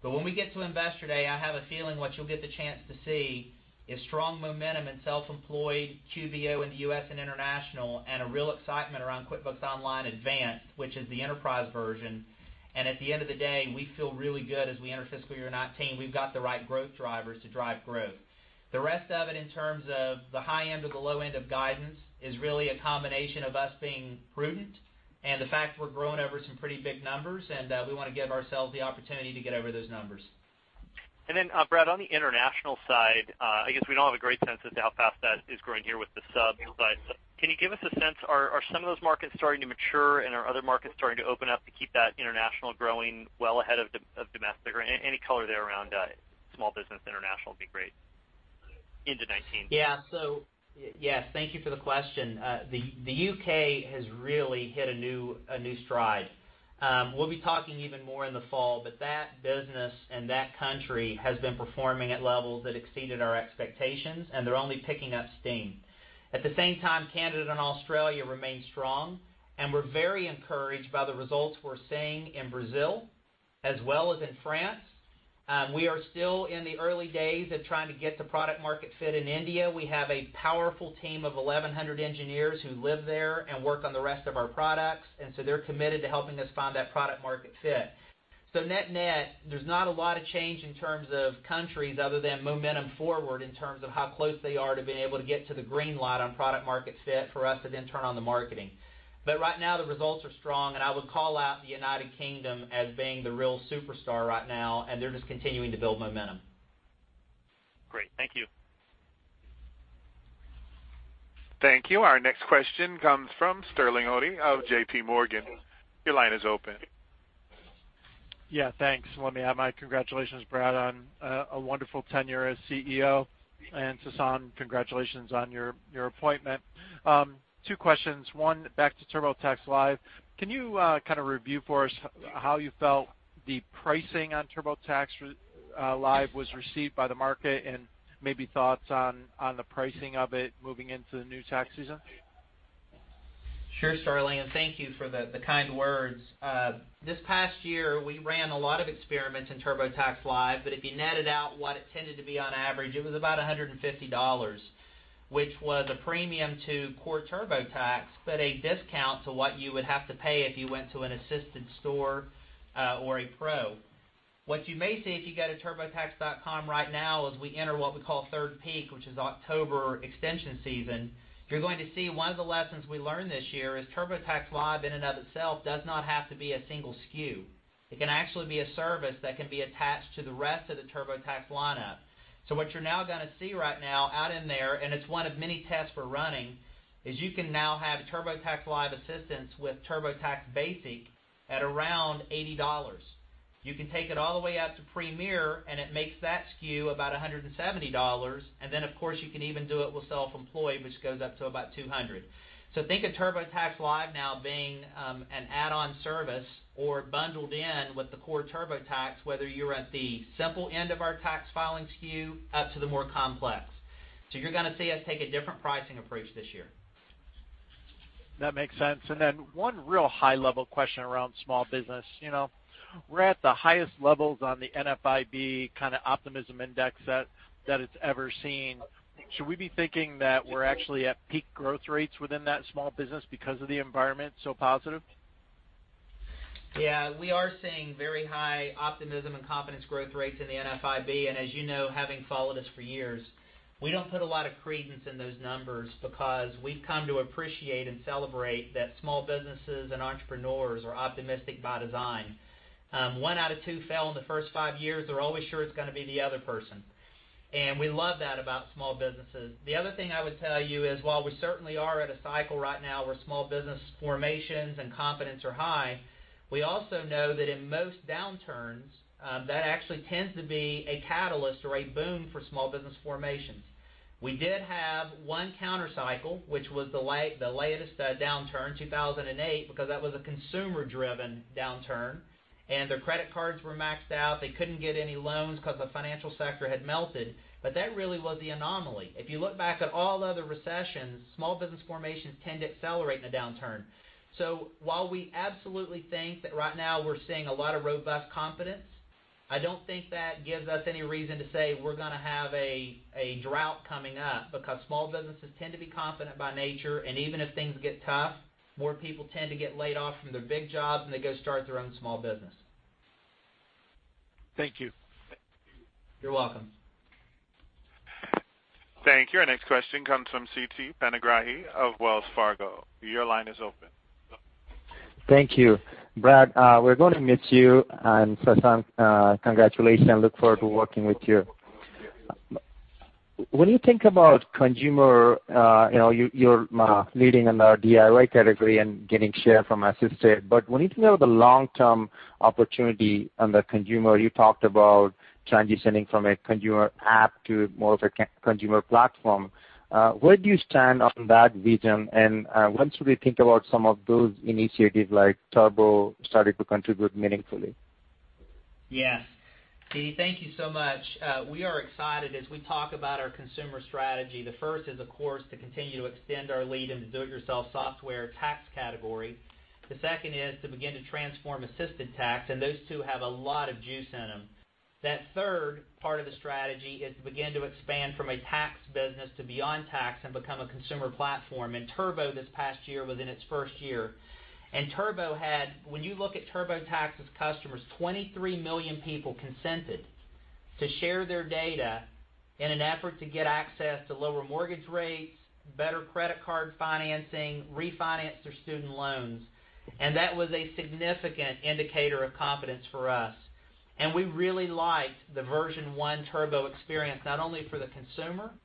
When we get to Investor Day, I have a feeling what you'll get the chance to see is strong momentum in self-employed QBO in the U.S. and international, and a real excitement around QuickBooks Online Advanced, which is the enterprise version. At the end of the day, we feel really good as we enter fiscal year 2019. We've got the right growth drivers to drive growth. The rest of it in terms of the high end or the low end of guidance is really a combination of us being prudent and the fact we're growing over some pretty big numbers, and we want to give ourselves the opportunity to get over those numbers. Brad, on the international side, I guess we don't have a great sense as to how fast that is growing here with the sub, but can you give us a sense? Are some of those markets starting to mature, and are other markets starting to open up to keep that international growing well ahead of domestic? Or any color there around small business international would be great into 2019. Thank you for the question. The U.K. has really hit a new stride. We'll be talking even more in the fall, but that business and that country has been performing at levels that exceeded our expectations, and they're only picking up steam. At the same time, Canada and Australia remain strong, and we're very encouraged by the results we're seeing in Brazil as well as in France. We are still in the early days of trying to get to product-market fit in India. We have a powerful team of 1,100 engineers who live there and work on the rest of our products, and so they're committed to helping us find that product-market fit. Net-net, there's not a lot of change in terms of countries other than momentum forward in terms of how close they are to being able to get to the green light on product-market fit for us to then turn on the marketing. Right now, the results are strong, and I would call out the United Kingdom as being the real superstar right now, and they're just continuing to build momentum. Great. Thank you. Thank you. Our next question comes from Sterling Auty of J.P. Morgan. Your line is open. Yeah. Thanks. Let me add my congratulations, Brad, on a wonderful tenure as CEO, and Sasan, congratulations on your appointment. Two questions. One, back to TurboTax Live. Can you kind of review for us how you felt the pricing on TurboTax Live was received by the market, and maybe thoughts on the pricing of it moving into the new tax season? Sure, Sterling. Thank you for the kind words. This past year, we ran a lot of experiments in TurboTax Live. If you netted out what it tended to be on average, it was about $150, which was a premium to core TurboTax. A discount to what you would have to pay if you went to an assisted store or a pro. What you may see if you go to turbotax.com right now, as we enter what we call third peak, which is October extension season, you're going to see one of the lessons we learned this year is TurboTax Live in and of itself does not have to be a single SKU. It can actually be a service that can be attached to the rest of the TurboTax lineup. What you're now going to see right now out in there, and it's one of many tests we're running, is you can now have TurboTax Live assistance with TurboTax Basic at around $80. You can take it all the way out to Premier, and it makes that SKU about $170. Of course, you can even do it with Self-Employed, which goes up to about $200. Think of TurboTax Live now being an add-on service or bundled in with the core TurboTax, whether you're at the simple end of our tax filing SKU up to the more complex. You're going to see us take a different pricing approach this year. That makes sense. One real high-level question around small business. We're at the highest levels on the NFIB kind of optimism index that it's ever seen. Should we be thinking that we're actually at peak growth rates within that small business because of the environment so positive? Yeah, we are seeing very high optimism and confidence growth rates in the NFIB, as you know, having followed us for years, we don't put a lot of credence in those numbers because we've come to appreciate and celebrate that small businesses and entrepreneurs are optimistic by design. One out of two fail in the first five years, they're always sure it's going to be the other person. We love that about small businesses. The other thing I would tell you is, while we certainly are at a cycle right now where small business formations and confidence are high, we also know that in most downturns, that actually tends to be a catalyst or a boom for small business formations. We did have one counter-cycle, which was the latest downturn, 2008, because that was a consumer-driven downturn, their credit cards were maxed out. They couldn't get any loans because the financial sector had melted. That really was the anomaly. If you look back at all other recessions, small business formations tend to accelerate in a downturn. While we absolutely think that right now we're seeing a lot of robust confidence, I don't think that gives us any reason to say we're going to have a drought coming up, because small businesses tend to be confident by nature, even if things get tough, more people tend to get laid off from their big jobs, they go start their own small business. Thank you. You're welcome. Thank you. Our next question comes from Siti Panigrahi of Wells Fargo. Your line is open. Thank you. Brad, we're going to miss you, Sasan, congratulations, I look forward to working with you. When you think about consumer, you're leading in the DIY category and gaining share from assisted, but when you think about the long-term opportunity on the consumer, you talked about transitioning from a consumer app to more of a consumer platform. Where do you stand on that vision, and when should we think about some of those initiatives, like Turbo starting to contribute meaningfully? Yes. Siti, thank you so much. We are excited as we talk about our consumer strategy. The first is, of course, to continue to extend our lead in the do-it-yourself software tax category. The second is to begin to transform assisted tax, and those two have a lot of juice in them. That third part of the strategy is to begin to expand from a tax business to beyond tax and become a consumer platform. Turbo this past year was in its first year. When you look at TurboTax's customers, 23 million people consented to share their data in an effort to get access to lower mortgage rates, better credit card financing, refinance their student loans, and that was a significant indicator of confidence for us. We really liked the version one Turbo experience, not only for the consumer, but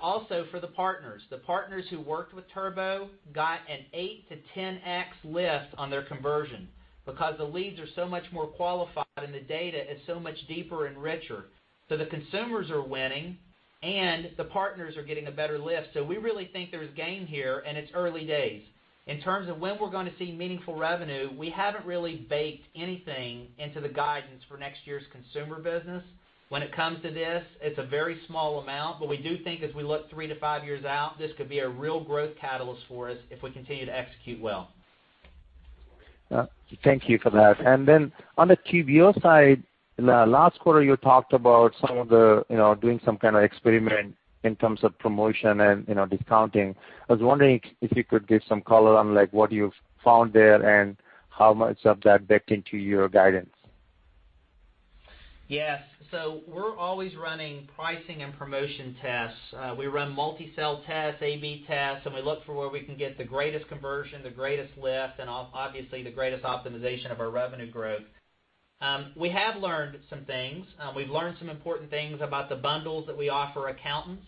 also for the partners. The partners who worked with Turbo got an 8x-10x lift on their conversion because the leads are so much more qualified and the data is so much deeper and richer. The consumers are winning, and the partners are getting a better lift. We really think there's gain here, and it's early days. In terms of when we're going to see meaningful revenue, we haven't really baked anything into the guidance for next year's consumer business. When it comes to this, it's a very small amount, but we do think as we look 3-5 years out, this could be a real growth catalyst for us if we continue to execute well. Thank you for that. On the QBO side, last quarter, you talked about doing some kind of experiment in terms of promotion and discounting. I was wondering if you could give some color on what you've found there and how much of that baked into your guidance. Yes. We're always running pricing and promotion tests. We run multi-sell tests, A/B tests, and we look for where we can get the greatest conversion, the greatest lift, and obviously the greatest optimization of our revenue growth. We have learned some things. We've learned some important things about the bundles that we offer accountants,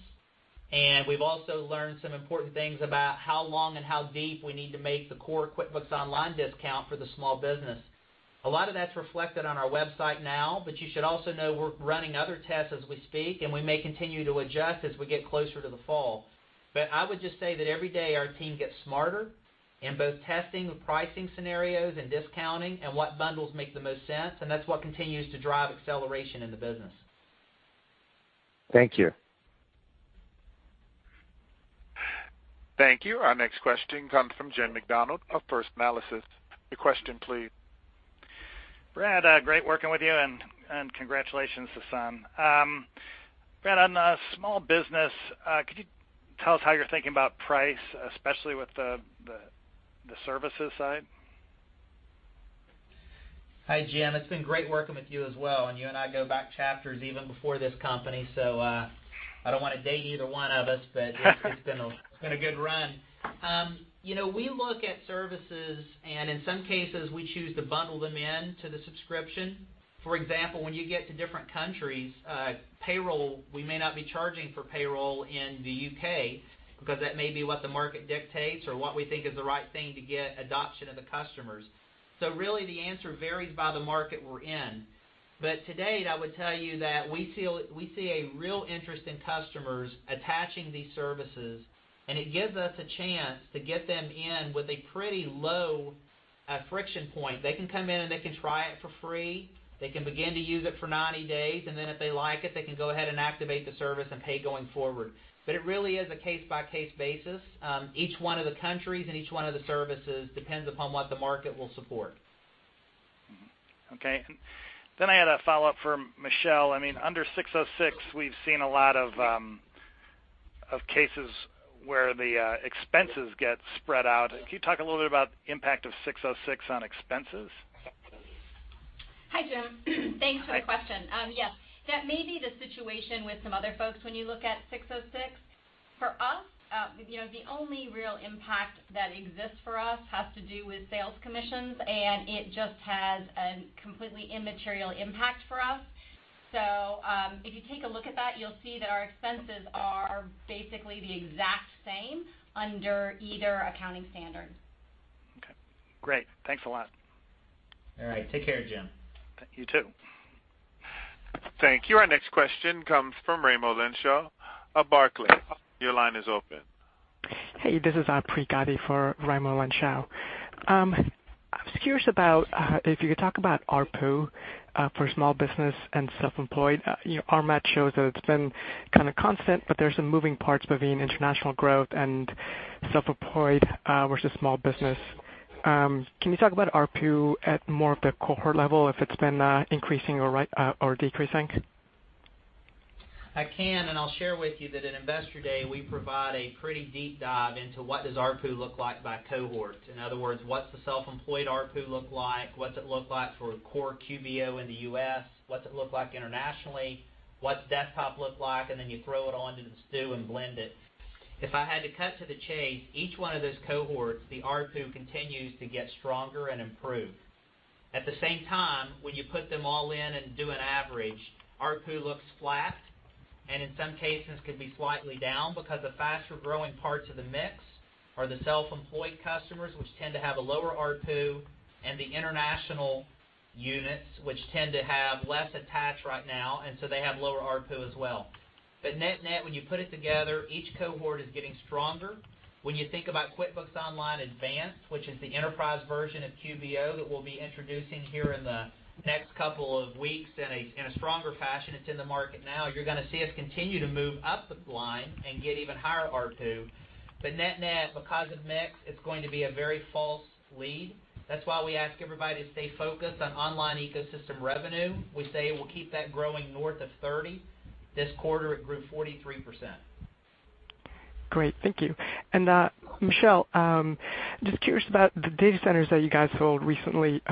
and we've also learned some important things about how long and how deep we need to make the core QuickBooks Online discount for the small business. A lot of that's reflected on our website now, but you should also know we're running other tests as we speak, and we may continue to adjust as we get closer to the fall. I would just say that every day our team gets smarter in both testing the pricing scenarios and discounting and what bundles make the most sense, and that's what continues to drive acceleration in the business. Thank you. Thank you. Our next question comes from Jim Macdonald of First Analysis. Your question, please. Brad, great working with you. Congratulations to Sasan. Brad, on the small business, could you tell us how you're thinking about price, especially with the services side? Hi, Jim. It's been great working with you as well, and you and I go back chapters even before this company, so I don't want to date either one of us, it's been a good run. We look at services, and in some cases, we choose to bundle them into the subscription. For example, when you get to different countries, payroll, we may not be charging for payroll in the U.K. because that may be what the market dictates or what we think is the right thing to get adoption of the customers. Really, the answer varies by the market we're in. To date, I would tell you that we see a real interest in customers attaching these services, and it gives us a chance to get them in with a pretty low friction point. They can come in, and they can try it for free. They can begin to use it for 90 days, and then if they like it, they can go ahead and activate the service and pay going forward. It really is a case-by-case basis. Each one of the countries and each one of the services depends upon what the market will support. Okay. I had a follow-up for Michelle. Under 606, we've seen a lot of cases where the expenses get spread out. Can you talk a little bit about the impact of 606 on expenses? Hi, Jim. Thanks for the question. Yes. That may be the situation with some other folks when you look at 606. For us, the only real impact that exists for us has to do with sales commissions, and it just has a completely immaterial impact for us. If you take a look at that, you'll see that our expenses are basically the exact same under either accounting standard. Okay, great. Thanks a lot. All right. Take care, Jim. You too. Thank you. Our next question comes from Raimo Lenschow of Barclays. Your line is open. Hey, this is Apurva Ghelani for Raimo Lenschow. I was curious about if you could talk about ARPU for small business and self-employed. Our math shows that it's been kind of constant, but there's some moving parts between international growth and self-employed versus small business. Can you talk about ARPU at more of the cohort level, if it's been increasing or decreasing? I can. I'll share with you that at Investor Day, we provide a pretty deep dive into what does ARPU look like by cohort. In other words, what's the self-employed ARPU look like, what's it look like for core QBO in the U.S., what's it look like internationally? What's desktop look like? Then you throw it all into the stew and blend it. If I had to cut to the chase, each one of those cohorts, the ARPU continues to get stronger and improve. At the same time, when you put them all in and do an average, ARPU looks flat, and in some cases can be slightly down because the faster-growing parts of the mix are the self-employed customers, which tend to have a lower ARPU, and the international units, which tend to have less attach right now, and so they have lower ARPU as well. Net-net, when you put it together, each cohort is getting stronger. When you think about QuickBooks Online Advanced, which is the enterprise version of QBO that we'll be introducing here in the next couple of weeks in a stronger fashion, it's in the market now, you're going to see us continue to move up the line and get even higher ARPU. Net-net, because of mix, it's going to be a very false lead. That's why we ask everybody to stay focused on online ecosystem revenue. We say we'll keep that growing north of 30%. This quarter, it grew 43%. Great. Thank you. Michelle, just curious about the data centers that you guys sold recently.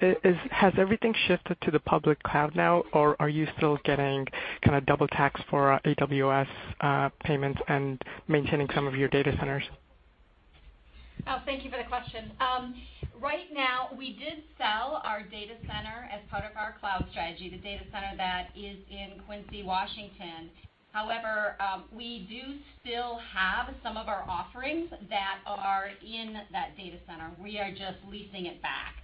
Has everything shifted to the public cloud now, or are you still getting kind of double tax for AWS payments and maintaining some of your data centers? Thank you for the question. Right now, we did sell our data center as part of our cloud strategy, the data center that is in Quincy, Washington. However, we do still have some of our offerings that are in that data center. We are just leasing it back.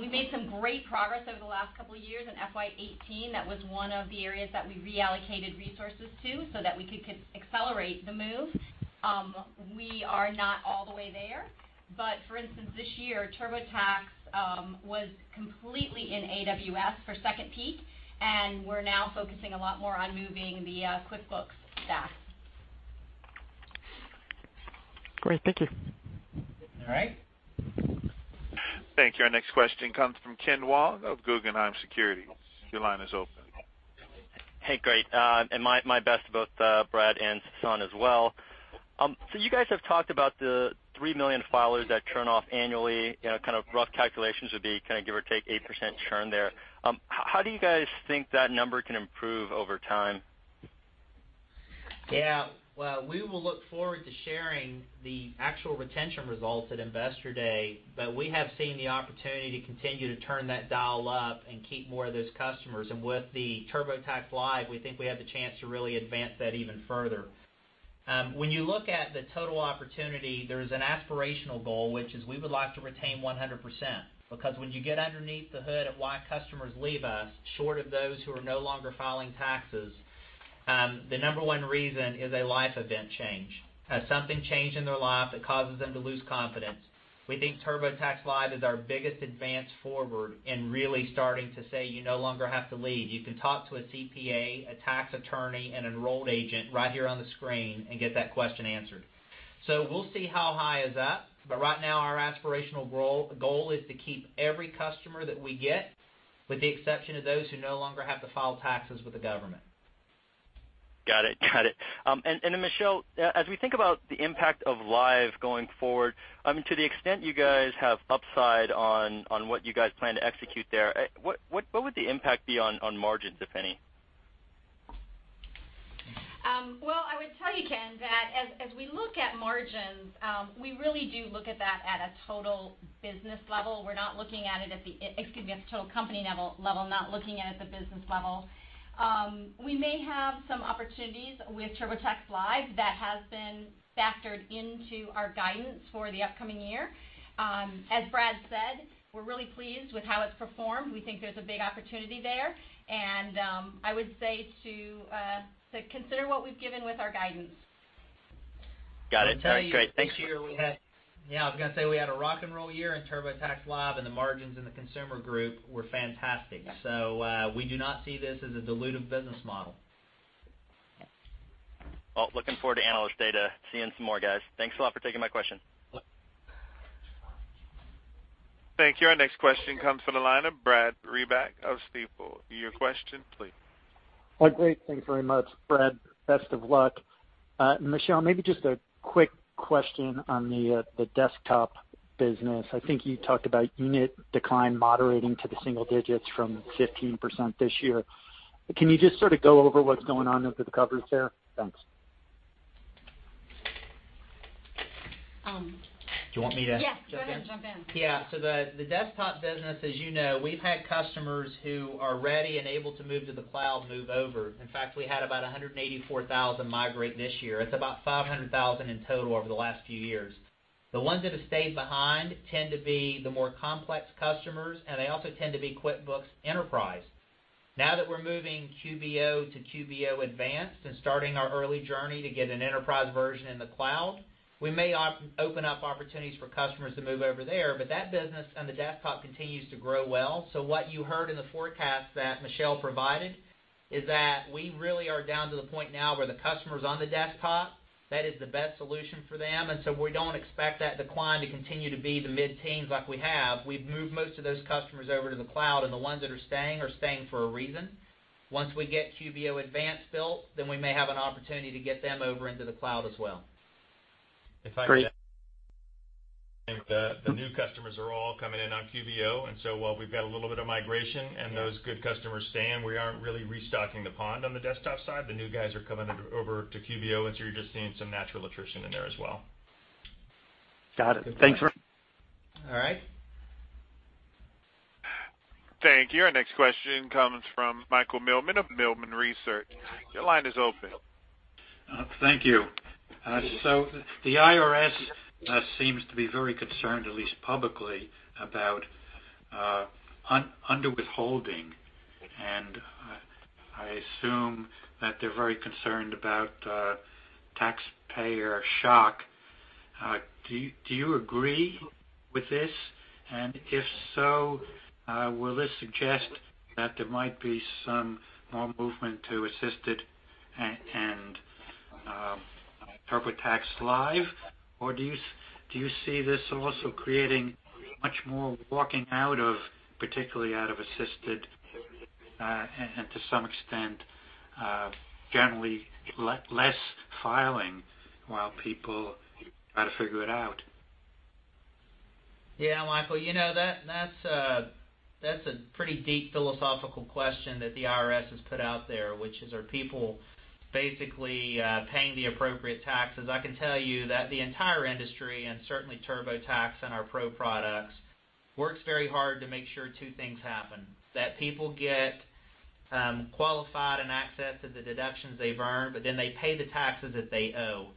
We made some great progress over the last couple of years in FY 2018. That was one of the areas that we reallocated resources to so that we could accelerate the move. We are not all the way there, but for instance, this year, TurboTax was completely in AWS for second peak, and we're now focusing a lot more on moving the QuickBooks stack. Great. Thank you. All right. Thank you. Our next question comes from Kenneth Wong of Guggenheim Securities. Your line is open. Hey, great. My best to both Brad and Sasan as well. You guys have talked about the 3 million filers that churn off annually. Kind of rough calculations would be kind of give or take 8% churn there. How do you guys think that number can improve over time? Yeah. Well, we will look forward to sharing the actual retention results at Investor Day, but we have seen the opportunity to continue to turn that dial up and keep more of those customers. With the TurboTax Live, we think we have the chance to really advance that even further. When you look at the total opportunity, there is an aspirational goal, which is we would like to retain 100%, because when you get underneath the hood of why customers leave us, short of those who are no longer filing taxes, the number one reason is a life event change. Something changed in their life that causes them to lose confidence. We think TurboTax Live is our biggest advance forward in really starting to say, "You no longer have to leave. You can talk to a CPA, a tax attorney, an enrolled agent right here on the screen and get that question answered." We'll see how high is up, but right now, our aspirational goal is to keep every customer that we get, with the exception of those who no longer have to file taxes with the government. Got it. Michelle, as we think about the impact of Live going forward, to the extent you guys have upside on what you guys plan to execute there, what would the impact be on margins, if any? Well, I would tell you, Ken, that as we look at margins, we really do look at that at a total business level. We're not looking at it at the total company level, not looking at it at the business level. We may have some opportunities with TurboTax Live that has been factored into our guidance for the upcoming year. As Brad said, we're really pleased with how it's performed. We think there's a big opportunity there. I would say to consider what we've given with our guidance. Got it. All right, great. Thank you. I'll tell you, this year we had a rock and roll year in TurboTax Live, and the margins in the Consumer Group were fantastic. We do not see this as a dilutive business model. Looking forward to analyst day to seeing some more guys. Thanks a lot for taking my question. Thank you. Our next question comes from the line of Brad Reback of Stifel. Your question, please. Great. Thanks very much. Brad, best of luck. Michelle, maybe just a quick question on the desktop business. I think you talked about unit decline moderating to the single digits from 15% this year. Can you just sort of go over what's going on under the covers there? Thanks. Do you want me to? Yes. Go ahead and jump in. Yeah. The desktop business, as you know, we've had customers who are ready and able to move to the cloud move over. In fact, we had about 184,000 migrate this year. It's about 500,000 in total over the last few years. The ones that have stayed behind tend to be the more complex customers, and they also tend to be QuickBooks Enterprise. Now that we're moving QBO to QuickBooks Online Advanced and starting our early journey to get an enterprise version in the cloud, we may open up opportunities for customers to move over there, but that business on the desktop continues to grow well. What you heard in the forecast that Michelle provided is that we really are down to the point now where the customers on the desktop, that is the best solution for them. We don't expect that decline to continue to be the mid-teens like we have. We've moved most of those customers over to the cloud, and the ones that are staying are staying for a reason. Once we get QuickBooks Online Advanced built, we may have an opportunity to get them over into the cloud as well. Great. The new customers are all coming in on QBO, while we've got a little bit of migration and those good customers staying, we aren't really restocking the pond on the desktop side. The new guys are coming over to QBO, you're just seeing some natural attrition in there as well. Got it. Thanks very- All right. Thank you. Our next question comes from Michael Millman of Millman Research. Your line is open. Thank you. The IRS seems to be very concerned, at least publicly, about underwithholding. I assume that they're very concerned about taxpayer shock. Do you agree with this? If so, will this suggest that there might be some more movement to Assisted and TurboTax Live? Do you see this also creating much more walking out of, particularly out of Assisted, and to some extent, generally less filing while people try to figure it out? Yeah, Michael, that's a pretty deep philosophical question that the IRS has put out there, which is, are people basically paying the appropriate taxes? I can tell you that the entire industry, and certainly TurboTax and our pro products, works very hard to make sure two things happen, that people get qualified and access to the deductions they've earned, they pay the taxes that they owe.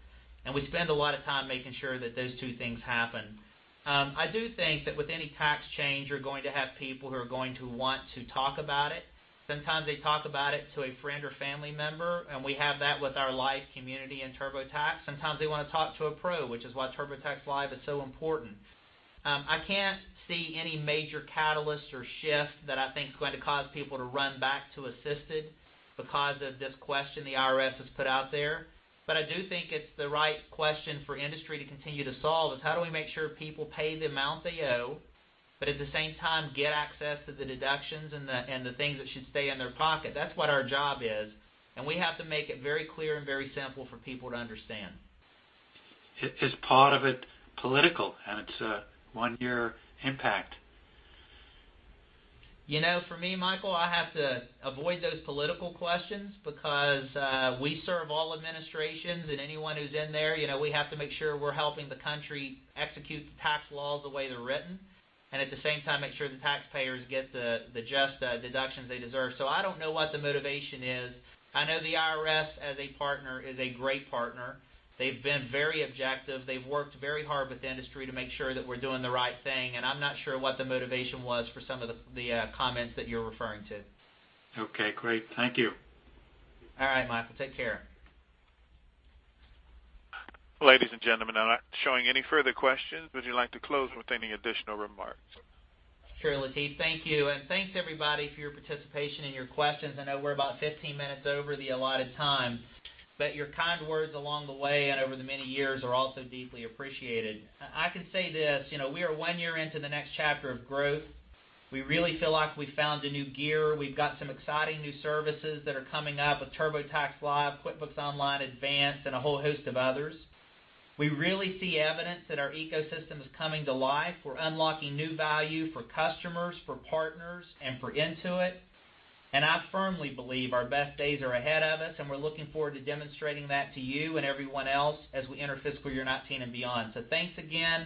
We spend a lot of time making sure that those two things happen. I do think that with any tax change, you're going to have people who are going to want to talk about it. Sometimes they talk about it to a friend or family member, and we have that with our Live community in TurboTax. Sometimes they want to talk to a pro, which is why TurboTax Live is so important. I can't see any major catalyst or shift that I think is going to cause people to run back to Assisted because of this question the IRS has put out there. I do think it's the right question for industry to continue to solve is how do we make sure people pay the amount they owe, but at the same time, get access to the deductions and the things that should stay in their pocket. That's what our job is, and we have to make it very clear and very simple for people to understand. Is part of it political? It's a one-year impact. For me, Michael, I have to avoid those political questions because we serve all administrations and anyone who's in there. We have to make sure we're helping the country execute the tax laws the way they're written, and at the same time, make sure the taxpayers get the just deductions they deserve. I don't know what the motivation is. I know the IRS, as a partner, is a great partner. They've been very objective. They've worked very hard with the industry to make sure that we're doing the right thing, and I'm not sure what the motivation was for some of the comments that you're referring to. Okay, great. Thank you. All right, Michael. Take care. Ladies and gentlemen, I'm not showing any further questions. Would you like to close with any additional remarks? Sure, Latif. Thank you, and thanks everybody for your participation and your questions. I know we're about 15 minutes over the allotted time, but your kind words along the way and over the many years are also deeply appreciated. I can say this, we are one year into the next chapter of growth. We really feel like we found a new gear. We've got some exciting new services that are coming up with TurboTax Live, QuickBooks Online Advanced, and a whole host of others. We really see evidence that our ecosystem is coming to life. We're unlocking new value for customers, for partners, and for Intuit. I firmly believe our best days are ahead of us, and we're looking forward to demonstrating that to you and everyone else as we enter fiscal year 2019 and beyond. Thanks again,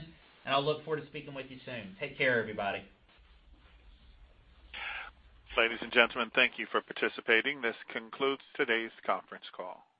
and I'll look forward to speaking with you soon. Take care, everybody. Ladies and gentlemen, thank you for participating. This concludes today's conference call.